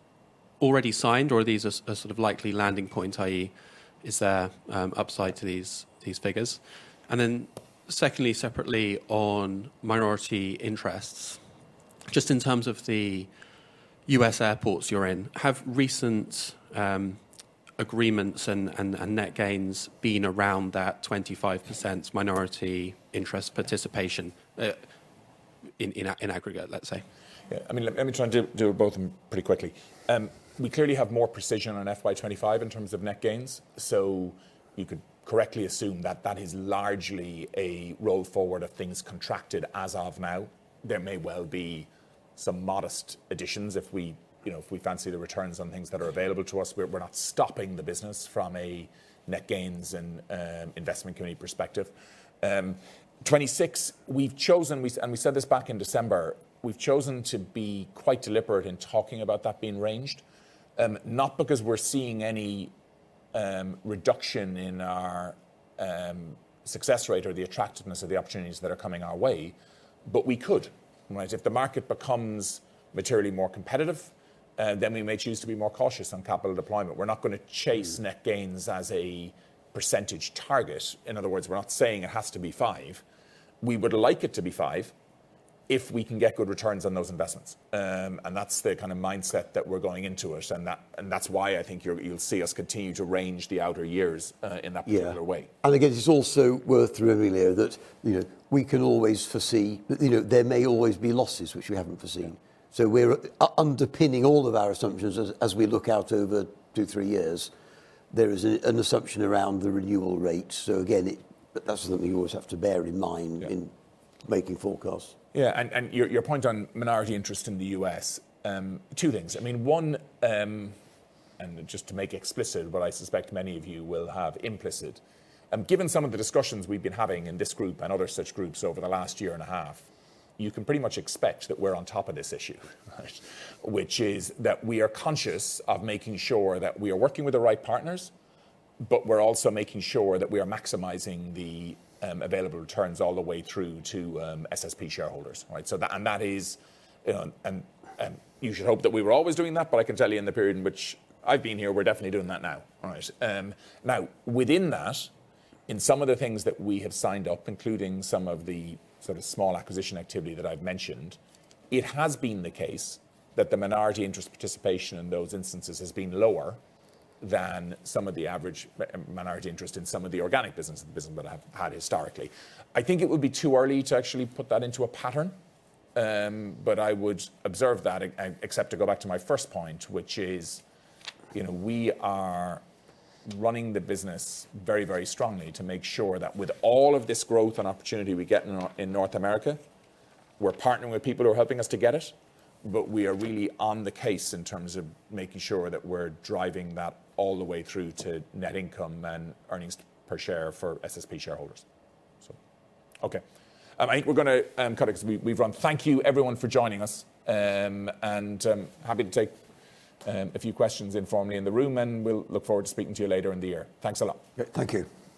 already signed, or are these a sort of likely landing point, i.e., is there upside to these figures? And then secondly, separately, on minority interests, just in terms of the U.S. airports you're in, have recent agreements and net gains been around that 25% minority interest participation in aggregate, let's say? Yeah. I mean, let me try and do both of them pretty quickly. We clearly have more precision on FY 2025 in terms of net gains, so you could correctly assume that that is largely a roll forward of things contracted as of now. There may well be some modest additions if we, you know, if we fancy the returns on things that are available to us. We're not stopping the business from a net gains and investment committee perspective. 2026, we've chosen—and we said this back in December, we've chosen to be quite deliberate in talking about that being ranged, not because we're seeing any reduction in our success rate or the attractiveness of the opportunities that are coming our way, but we could, right? If the market becomes materially more competitive, then we may choose to be more cautious on capital deployment. We're not gonna chase net gains as a percentage target. In other words, we're not saying it has to be 5%. We would like it to be 5% if we can get good returns on those investments. And that's the kind of mindset that we're going into it, and that's why I think you'll see us continue to range the outer years, in that- Yeah... particular way. Again, it is also worth remembering, Leo, that, you know, we can always foresee... You know, there may always be losses, which we haven't foreseen. Yeah. So we're underpinning all of our assumptions as we look out over two, three years, there is an assumption around the renewal rate. So again, it but that's something we always have to bear in mind- Yeah... in making forecasts. Yeah, and your point on minority interest in the U.S., two things: I mean, one, and just to make explicit, what I suspect many of you will have implicit, given some of the discussions we've been having in this group and other such groups over the last year and a half, you can pretty much expect that we're on top of this issue, right? Which is that we are conscious of making sure that we are working with the right partners, but we're also making sure that we are maximizing the available returns all the way through to SSP shareholders, right? So that and that is, you should hope that we were always doing that, but I can tell you in the period in which I've been here, we're definitely doing that now, right? Now, within that, in some of the things that we have signed up, including some of the sort of small acquisition activity that I've mentioned, it has been the case that the minority interest participation in those instances has been lower than some of the average minority interest in some of the organic business, the business that I have had historically. I think it would be too early to actually put that into a pattern, but I would observe that, except to go back to my first point, which is, you know, we are running the business very, very strongly to make sure that with all of this growth and opportunity we get in North America, we're partnering with people who are helping us to get it, but we are really on the case in terms of making sure that we're driving that all the way through to net income and earnings per share for SSP shareholders. So okay. I think we're gonna cut it because we've run. Thank you, everyone, for joining us. And happy to take a few questions informally in the room, and we'll look forward to speaking to you later in the year. Thanks a lot. Yeah. Thank you.